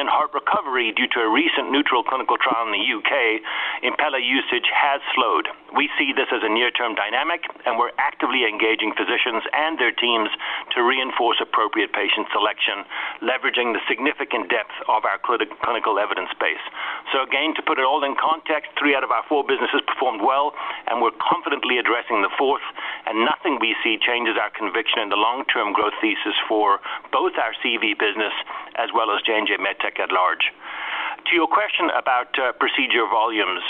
In heart recovery, due to a recent neutral clinical trial in the U.K., Impella usage has slowed. We see this as a near-term dynamic, and we're actively engaging physicians and their teams to reinforce appropriate patient selection, leveraging the significant depth of our clinical evidence base. Again, to put it all in context, three out of our four businesses performed well, and we're confidently addressing the fourth, and nothing we see changes our conviction in the long-term growth thesis for both our CV business as well as J&J MedTech at large. To your question about procedure volumes.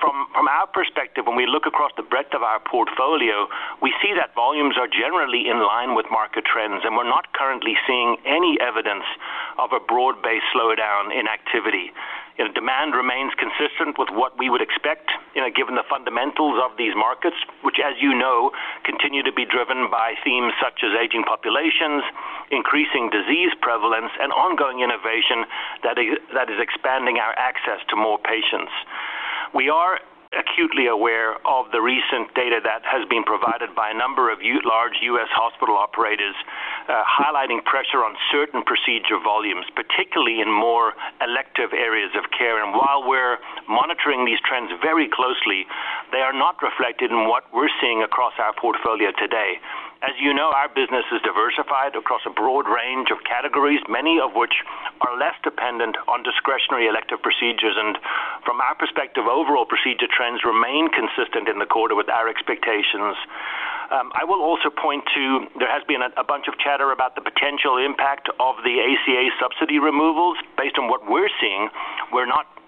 From our perspective, when we look across the breadth of our portfolio, we see that volumes are generally in line with market trends, and we're not currently seeing any evidence of a broad-based slowdown in activity. Demand remains consistent with what we would expect given the fundamentals of these markets, which, as you know, continue to be driven by themes such as aging populations, increasing disease prevalence, and ongoing innovation that is expanding our access to more patients. We are acutely aware of the recent data that has been provided by a number of large U.S. hospital operators, highlighting pressure on certain procedure volumes, particularly in more elective areas of care. While we're monitoring these trends very closely, they are not reflected in what we're seeing across our portfolio today. As you know, our business is diversified across a broad range of categories, many of which are less dependent on discretionary elective procedures. From our perspective, overall procedure trends remain consistent in the quarter with our expectations. I will also point to, there has been a bunch of chatter about the potential impact of the ACA subsidy removals. Based on what we're seeing,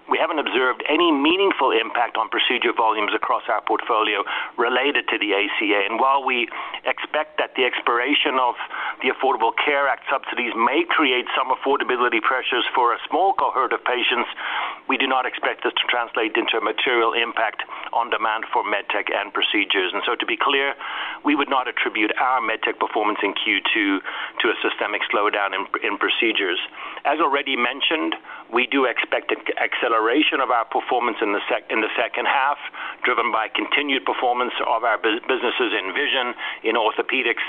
we haven't observed any meaningful impact on procedure volumes across our portfolio related to the ACA. While we expect that the expiration of the Affordable Care Act subsidies may create some affordability pressures for a small cohort of patients, we do not expect this to translate into a material impact on demand for MedTech and procedures. To be clear, we would not attribute our MedTech performance in Q2 to a systemic slowdown in procedures. As already mentioned, we do expect acceleration of our performance in the second half, driven by continued performance of our businesses in Vision, in Orthopedics,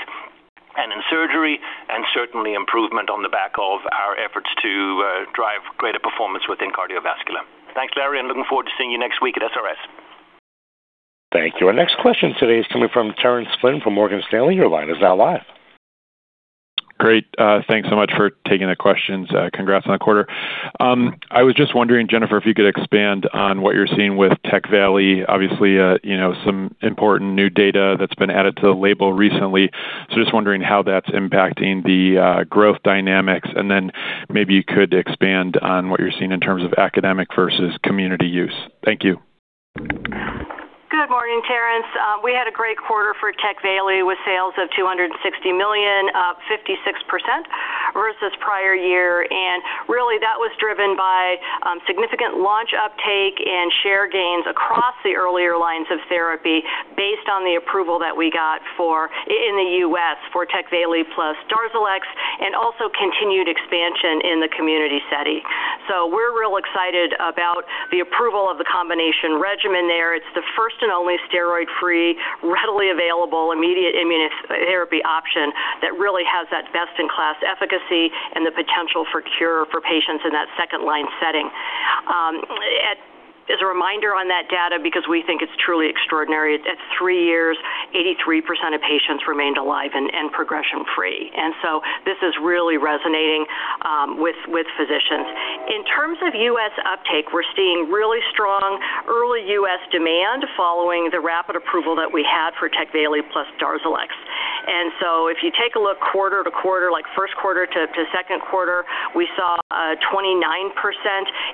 and in Surgery, and certainly improvement on the back of our efforts to drive greater performance within Cardiovascular. Thanks, Larry, and looking forward to seeing you next week at SRS. Thank you. Our next question today is coming from Terence Flynn from Morgan Stanley. Your line is now live. Great. Thanks so much for taking the questions. Congrats on the quarter. I was just wondering, Jennifer, if you could expand on what you are seeing with TECVAYLI. Obviously, some important new data that has been added to the label recently. Just wondering how that is impacting the growth dynamics, and then maybe you could expand on what you are seeing in terms of academic versus community use. Thank you. Good morning, Terence. We had a great quarter for TECVAYLI, with sales of $260 million, up 56% versus prior year. That was driven by significant launch uptake and share gains across the earlier lines of therapy based on the approval that we got in the U.S. for TECVAYLI plus DARZALEX, and also continued expansion in the community setting. We are real excited about the approval of the combination regimen there. It is the first and only steroid-free, readily available, immediate immunotherapy option that really has that best-in-class efficacy and the potential for cure for patients in that second-line setting. As a reminder on that data, because we think it is truly extraordinary, at three years, 83% of patients remained alive and progression-free. This is really resonating with physicians. In terms of U.S. uptake, we are seeing really strong early U.S. demand following the rapid approval that we had for TECVAYLI plus DARZALEX. If you take a look quarter-to-quarter, like first quarter to second quarter, we saw a 29%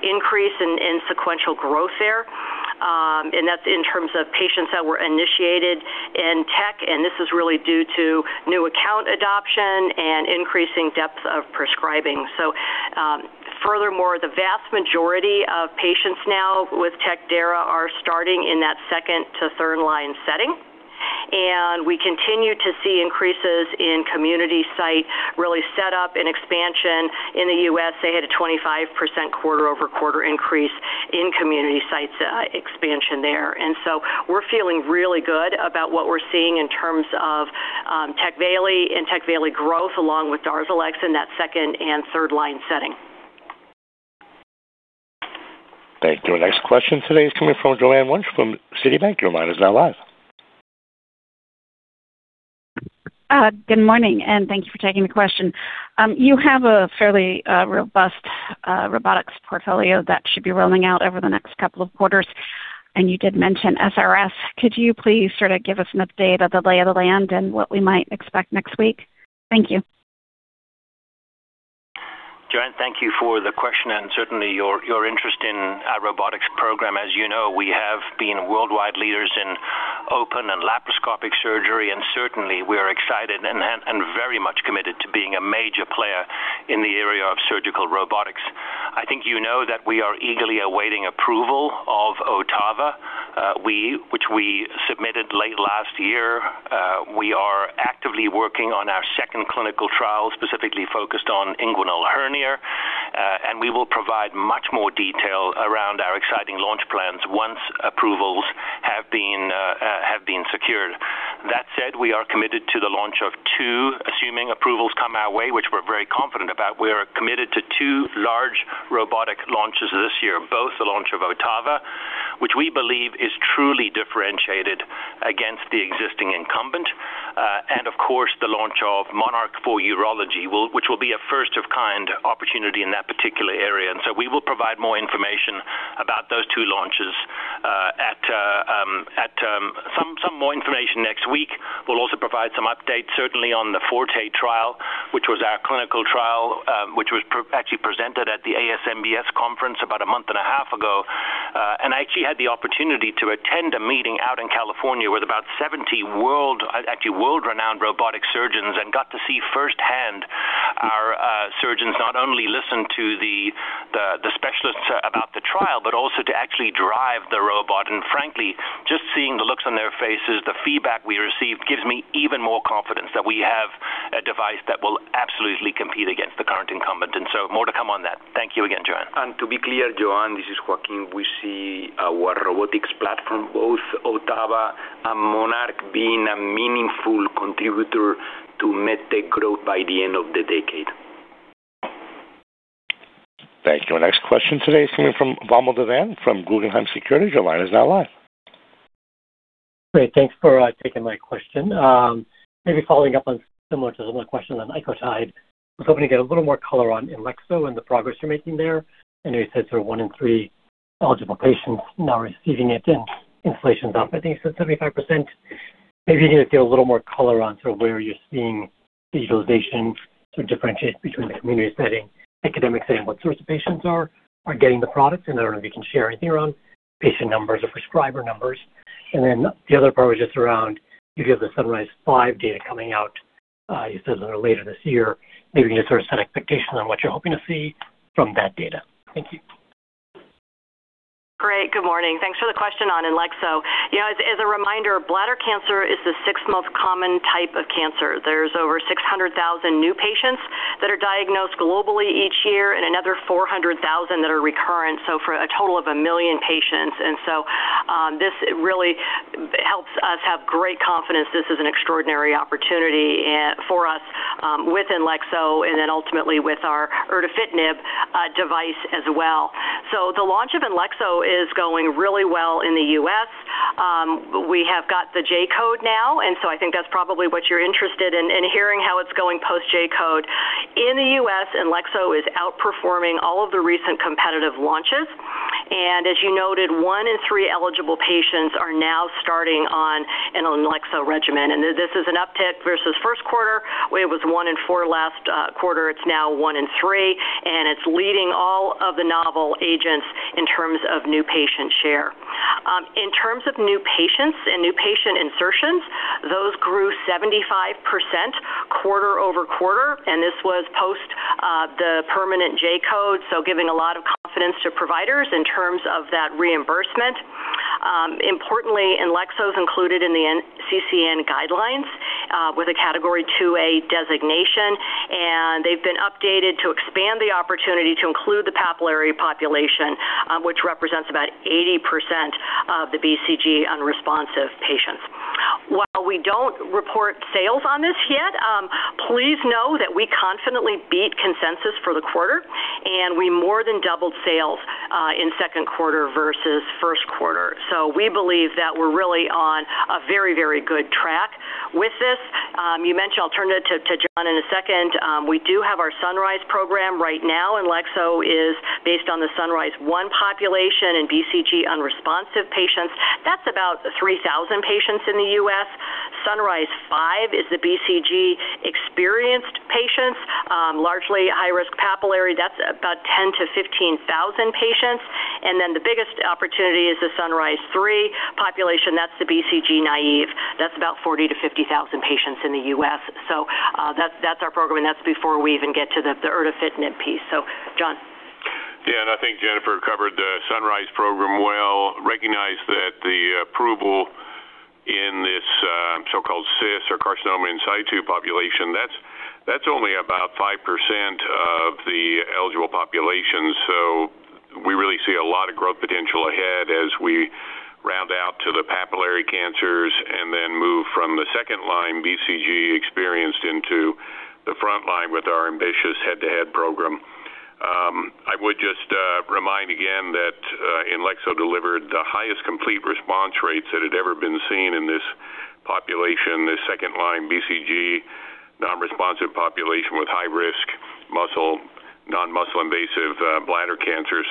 increase in sequential growth there. That is in terms of patients that were initiated in TECVAYLI, and this is really due to new account adoption and increasing depth of prescribing. Furthermore, the vast majority of patients now with TECVAYLI plus DARZALEX are starting in that second to third-line setting, and we continue to see increases in community site really set up an expansion in the U.S. They had a 25% quarter-over-quarter increase in community sites expansion there. We are feeling really good about what we are seeing in terms of TECVAYLI and TECVAYLI growth along with DARZALEX in that second and third-line setting. Thank you. Our next question today is coming from Joanne Wuensch from Citibank. Your line is now live. Good morning, and thank you for taking the question. You have a fairly robust robotics portfolio that should be rolling out over the next couple of quarters. You did mention SRS. Could you please sort of give us an update of the lay of the land and what we might expect next week? Thank you. Joanne, thank you for the question and certainly your interest in our robotics program. As you know, we have been worldwide leaders in open and laparoscopic surgery. Certainly we are excited and very much committed to being a major player in the area of surgical robotics. I think you know that we are eagerly awaiting approval of OTTAVA, which we submitted late last year. We are actively working on our second clinical trial, specifically focused on inguinal hernia. We will provide much more detail around our exciting launch plans once approvals have been secured. That said, we are committed to the launch of two, assuming approvals come our way, which we're very confident about. We are committed to two large robotic launches this year, both the launch of OTTAVA, which we believe is truly differentiated against the existing incumbent, and of course, the launch of MONARCH for Urology, which will be a first of kind opportunity in that particular area. We will provide more information about those two launches, some more information next week. We'll also provide some updates certainly on the FORTE trial, which was our clinical trial, which was actually presented at the ASMBS conference about a month and a half ago. I actually had the opportunity to attend a meeting out in California with about 70 world-renowned robotic surgeons and got to see firsthand our surgeons not only listen to the specialists about the trial but also to actually drive the robot. Frankly, just seeing the looks on their faces, the feedback we received gives me even more confidence that we have a device that will absolutely compete against the current incumbent. More to come on that. Thank you again, Joanne. To be clear, Joanne, this is Joaquin. We see our robotics platform, both OTTAVA and MONARCH, being a meaningful contributor to MedTech growth by the end of the decade. Thank you. Our next question today is coming from Vamil Divan from Guggenheim Securities. Your line is now live. Great. Thanks for taking my question. Maybe following up on similar to the other question on ICOTYDE, I was hoping to get a little more color on INLEXZO and the progress you're making there. I know you said sort of one in three eligible patients now receiving it, and inflation's up, I think you said 75%. Maybe you can just give a little more color on where you're seeing utilization to differentiate between the community setting, academic setting, what sorts of patients are getting the products? I do not know if you can share anything around patient numbers or prescriber numbers. The other part was just around, you have the SunRISe-5 data coming out, you said later this year. Maybe you can just set expectations on what you're hoping to see from that data. Thank you. Great. Good morning. Thanks for the question on INLEXZO. As a reminder, bladder cancer is the sixth most common type of cancer. There's over 600,000 new patients that are diagnosed globally each year and another 400,000 that are recurrent, so for a total of 1 million patients. This really helps us have great confidence this is an extraordinary opportunity for us with INLEXZO and then ultimately with our erdafitinib device as well. The launch of INLEXZO is going really well in the U.S. We have got the J-code now, I think that's probably what you're interested in hearing how it's going post J-code. In the U.S., INLEXZO is outperforming all of the recent competitive launches. As you noted, one in three eligible patients are now starting on an INLEXZO regimen. This is an uptick versus first quarter, where it was one in four last quarter. It's now one in three, and it's leading all of the novel agents in terms of new patient share. In terms of new patients and new patient insertions, those grew 75% quarter-over-quarter, and this was post the permanent J-code, giving a lot of confidence to providers in terms of that reimbursement. Importantly, INLEXZO is included in the NCCN guidelines with a Category 2A designation, and they've been updated to expand the opportunity to include the papillary population, which represents about 80% of the BCG unresponsive patients. While we don't report sales on this yet, please know that we confidently beat consensus for the quarter, and we more than doubled sales in second quarter versus first quarter. We believe that we're really on a very good track with this. You mentioned I'll turn it to John in a second. We do have our SunRISe program right now. INLEXZO is based on the SunRISe-1 population in BCG unresponsive patients. That's about 3,000 patients in the U.S. SunRISe-5 is the BCG experienced patients, largely high-risk papillary. That's about 10,000-15,000 patients. The biggest opportunity is the SunRISe-3 population. That's the BCG naive. That's about 40,000-50,000 patients in the U.S. That's our program, and that's before we even get to the erdafitinib piece. John. I think Jennifer covered the SunRISe program well. Recognize that the approval in this so-called CIS or carcinoma in situ population, that's only about 5% of the eligible population. We really see a lot of growth potential ahead as we round out to the papillary cancers and then move from the second-line BCG experienced into the front line with our ambitious head-to-head program. I would just remind again that INLEXZO delivered the highest complete response rates that had ever been seen in this population, this second-line BCG non-responsive population with high-risk muscle, non-muscle invasive bladder cancer.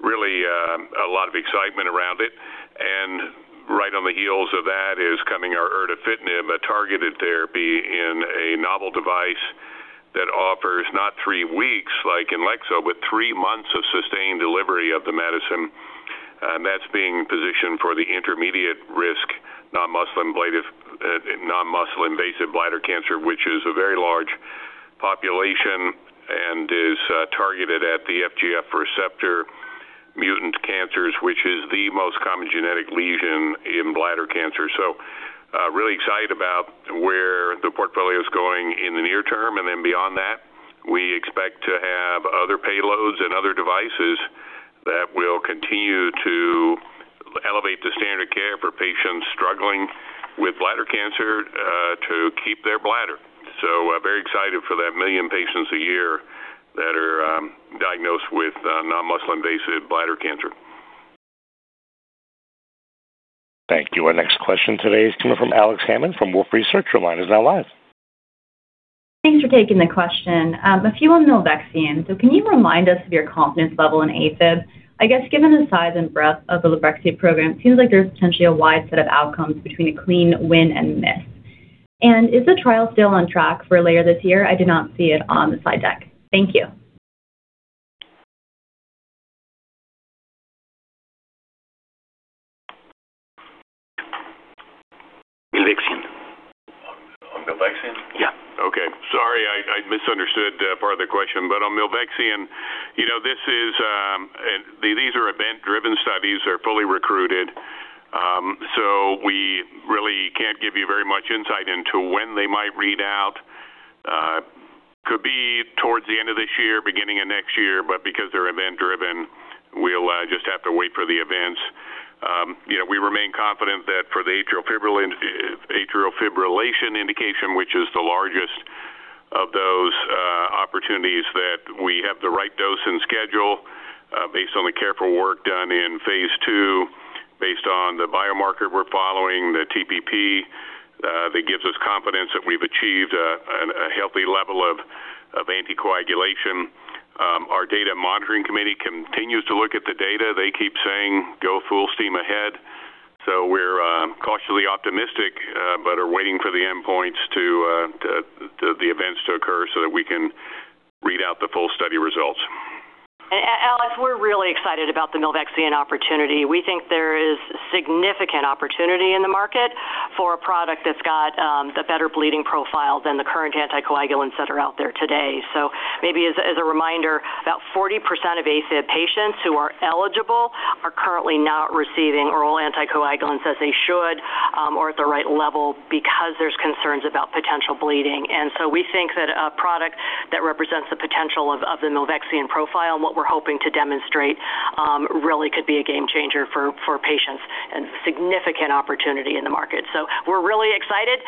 Really a lot of excitement around it. Right on the heels of that is coming our erdafitinib, a targeted therapy in a novel device that offers not three weeks like INLEXZO, but three months of sustained delivery of the medicine. That's being positioned for the intermediate risk non-muscle invasive bladder cancer, which is a very large population and is targeted at the FGF receptor mutant cancers, which is the most common genetic lesion in bladder cancer. Really excited about where the portfolio's going in the near term. Beyond that, we expect to have other payloads and other devices that will continue to elevate the standard of care for patients struggling with bladder cancer to keep their bladder. Very excited for that million patients a year that are diagnosed with non-muscle invasive bladder cancer. Thank you. Our next question today is coming from Alex Hammond from Wolfe Research. Your line is now live. Thanks for taking the question. A few on milvexian. Can you remind us of your confidence level in AFib? I guess given the size and breadth of the milvexian program, it seems like there's potentially a wide set of outcomes between a clean win and miss. Is the trial still on track for later this year? I did not see it on the slide deck. Thank you. Milvexian. On milvexian? Yeah. Okay. Sorry, I misunderstood part of the question. On milvexian, these are event-driven studies. They're fully recruited. We really can't give you very much insight into when they might read out. Could be towards the end of this year, beginning of next year, but because they're event driven, we'll just have to wait for the events. We remain confident that for the atrial fibrillation indication, which is the largest of those opportunities, that we have the right dose and schedule based on the careful work done in phase II, based on the biomarker we're following, the TPP, that gives us confidence that we've achieved a healthy level of anticoagulation. Our data monitoring committee continues to look at the data. They keep saying, "Go full steam ahead." We're cautiously optimistic but are waiting for the endpoints to the events to occur so that we can read out the full study results. Alex, we're really excited about the milvexian opportunity. We think there is significant opportunity in the market for a product that's got the better bleeding profile than the current anticoagulants that are out there today. Maybe as a reminder, about 40% of AFib patients who are eligible are currently not receiving oral anticoagulants as they should or at the right level because there's concerns about potential bleeding. We think that a product that represents the potential of the milvexian profile, what we're hoping to demonstrate really could be a game changer for patients and significant opportunity in the market. We're really excited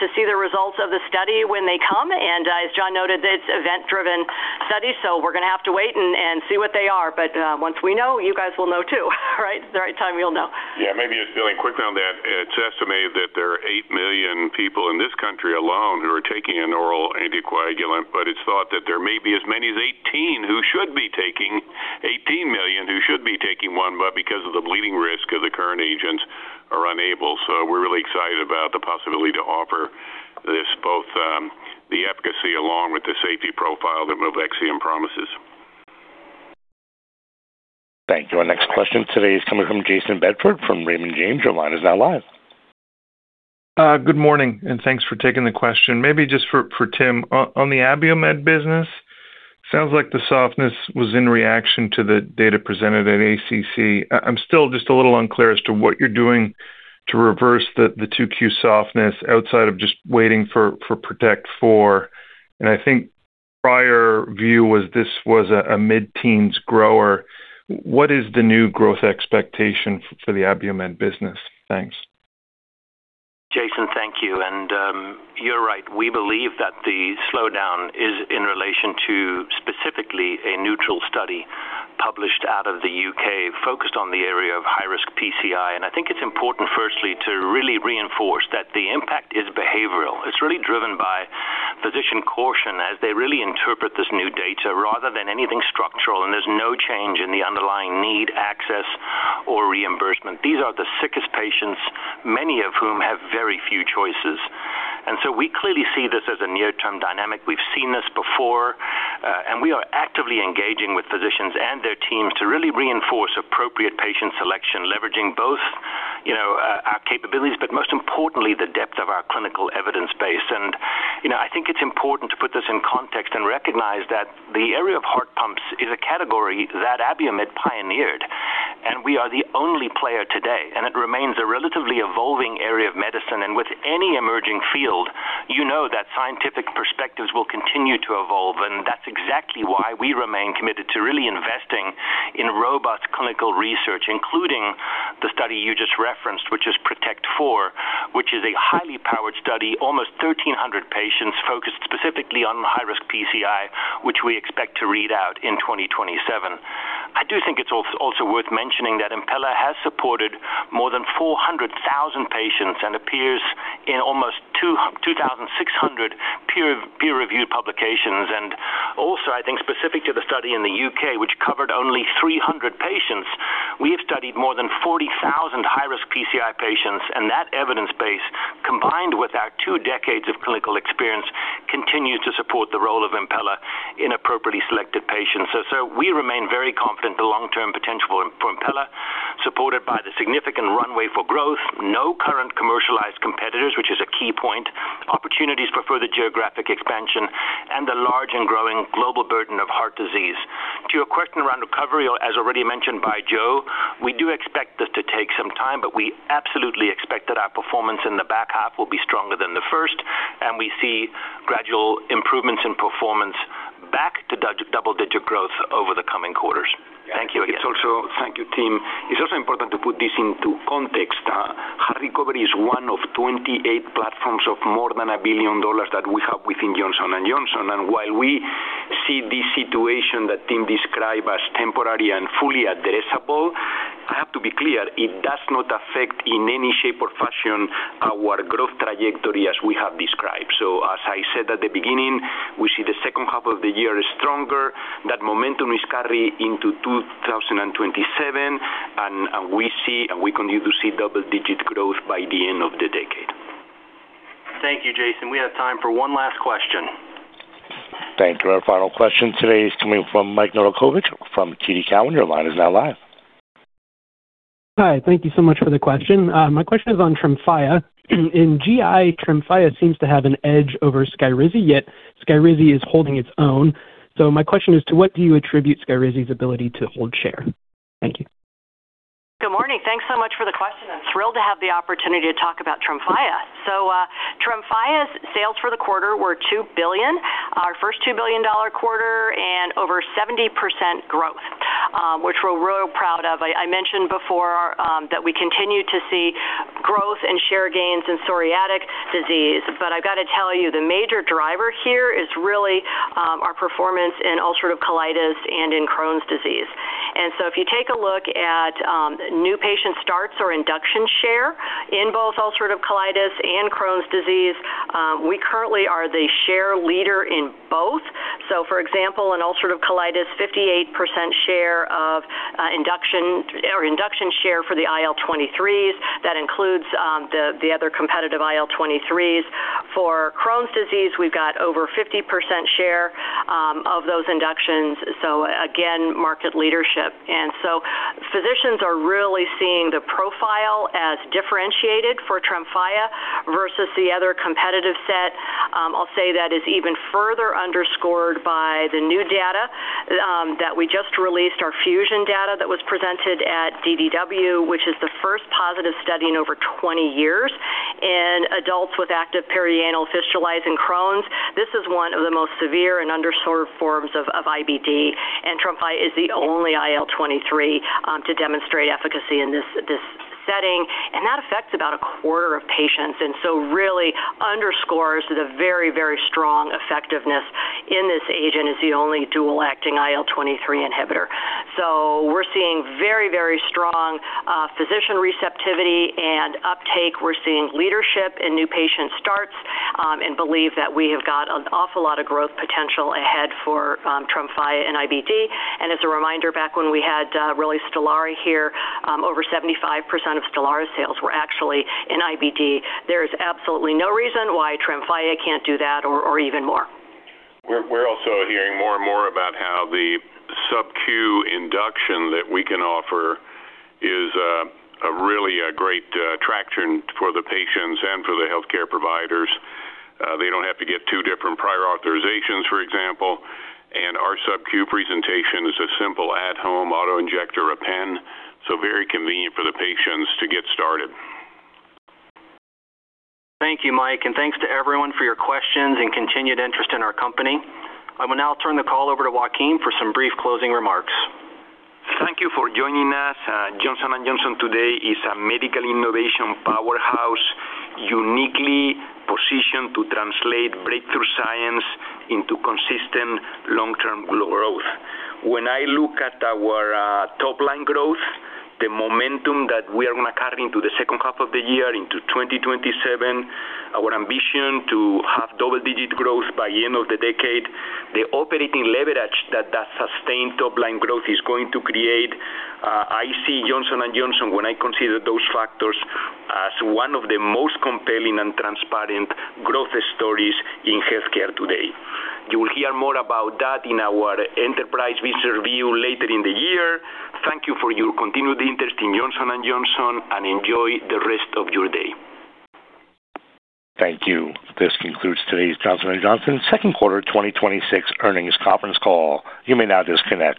to see the results of the study when they come. As John noted, it's event-driven study, we're going to have to wait and see what they are. Once we know, you guys will know too, right? At the right time, we'll know. Yeah. Maybe just building quick on that. It's estimated that there are eight million people in this country alone who are taking an oral anticoagulant, but it's thought that there may be as many as 18 million who should be taking one, but because of the bleeding risk of the current agents are unable. We're really excited about the possibility to offer this, both the efficacy along with the safety profile that milvexian promises. Thank you. Our next question today is coming from Jayson Bedford from Raymond James. Your line is now live. Good morning, thanks for taking the question. Maybe just for Tim, on the Abiomed business, sounds like the softness was in reaction to the data presented at ACC. I'm still just a little unclear as to what you're doing to reverse the 2Q softness outside of just waiting for PROTECT IV. I think prior view was this was a mid-teens grower. What is the new growth expectation for the Abiomed business? Thanks. Jayson, thank you. You're right. We believe that the slowdown is in relation to specifically a neutral study published out of the U.K. focused on the area of high-risk PCI. I think it's important, firstly, to really reinforce that the impact is behavioral. It's really driven by physician caution as they really interpret this new data rather than anything structural, and there's no change in the underlying need, access or reimbursement. These are the sickest patients, many of whom have very few choices. So we clearly see this as a near-term dynamic. We've seen this before, and we are actively engaging with physicians and their teams to really reinforce appropriate patient selection, leveraging both our capabilities, but most importantly, the depth of our clinical evidence base. I think it's important to put this in context and recognize that the area of heart pumps is a category that Abiomed pioneered, and we are the only player today. It remains a relatively evolving area of medicine. With any emerging field, you know that scientific perspectives will continue to evolve. That's exactly why we remain committed to really investing in robust clinical research, including the study you just referenced, which is PROTECT IV, which is a highly powered study, almost 1,300 patients focused specifically on high-risk PCI, which we expect to read out in 2027. I do think it's also worth mentioning that Impella has supported more than 400,000 patients and appears in almost 2,600 peer-reviewed publications. Also, I think specific to the study in the U.K., which covered only 300 patients, we have studied more than 40,000 high-risk PCI patients, and that evidence base, combined with our two decades of clinical experience, continue to support the role of Impella in appropriately selected patients. We remain very confident the long-term potential for Impella, supported by the significant runway for growth, no current commercialized competitors, which is a key point, opportunities for further geographic expansion, and the large and growing global burden of heart disease. To your question around recovery, as already mentioned by Joe, we do expect this to take some time, but we absolutely expect that our performance in the back half will be stronger than the first, and we see gradual improvements in performance back to double-digit growth over the coming quarters. Thank you again. Thank you, Tim. It's also important to put this into context. Heart recovery is one of 28 platforms of more than a billion dollars that we have within Johnson & Johnson. While we see this situation that Tim described as temporary and fully addressable, I have to be clear, it does not affect in any shape or fashion our growth trajectory as we have described. As I said at the beginning, we see the second half of the year is stronger. That momentum is carry into 2027, and we continue to see double-digit growth by the end of the decade. Thank you, Jayson. We have time for one last question. Thank you. Our final question today is coming from Mike Nedelcovych from TD Cowen. Your line is now live. Hi. Thank you so much for the question. My question is on TREMFYA. In GI, TREMFYA seems to have an edge over SKYRIZI, yet SKYRIZI is holding its own. My question is, to what do you attribute SKYRIZI's ability to hold share? Thank you. Good morning. Thanks so much for the question. I'm thrilled to have the opportunity to talk about TREMFYA. TREMFYA's sales for the quarter were $2 billion, our first $2 billion quarter and over 70% growth which we're really proud of. I mentioned before that we continue to see growth and share gains in psoriatic disease. I've got to tell you, the major driver here is really our performance in ulcerative colitis and in Crohn's disease. If you take a look at new patient starts or induction share in both ulcerative colitis and Crohn's disease, we currently are the share leader in both. For example, in ulcerative colitis, 58% share of induction or induction share for the IL-23s. That includes the other competitive IL-23s. For Crohn's disease, we've got over 50% share of those inductions. Again, market leadership. Physicians are really seeing the profile as differentiated for TREMFYA versus the other competitive set. I'll say that is even further underscored by the new data that we just released, our FUZION data that was presented at DDW, which is the first positive study in over 20 yr in adults with active perianal fistulizing Crohn's. This is one of the most severe and underserved forms of IBD, and TREMFYA is the only IL-23 to demonstrate efficacy in this setting, and that affects about a quarter of patients, really underscores the very strong effectiveness in this agent as the only dual-acting IL-23 inhibitor. We're seeing very strong physician receptivity and uptake. We're seeing leadership in new patient starts and believe that we have got an awful lot of growth potential ahead for TREMFYA and IBD. As a reminder, back when we had really STELARA here, over 75% of STELARA sales were actually in IBD. There is absolutely no reason why TREMFYA can't do that or even more. We're also hearing more and more about how the subcu induction that we can offer is really a great attraction for the patients and for the healthcare providers. They don't have to get two different prior authorizations, for example, and our subcu presentation is a simple at-home auto-injector, a pen, so very convenient for the patients to get started. Thank you, Mike, thanks to everyone for your questions and continued interest in our company. I will now turn the call over to Joaquin for some brief closing remarks. Thank you for joining us. Johnson & Johnson today is a medical innovation powerhouse, uniquely positioned to translate breakthrough science into consistent long-term global growth. When I look at our top-line growth, the momentum that we are going to carry into the second half of the year into 2027, our ambition to have double-digit growth by the end of the decade, the operating leverage that that sustained top-line growth is going to create. I see Johnson & Johnson, when I consider those factors, as one of the most compelling and transparent growth stories in healthcare today. You will hear more about that in our enterprise investor view later in the year. Thank you for your continued interest in Johnson & Johnson and enjoy the rest of your day. Thank you. This concludes today's Johnson & Johnson second quarter 2026 earnings conference call. You may now disconnect.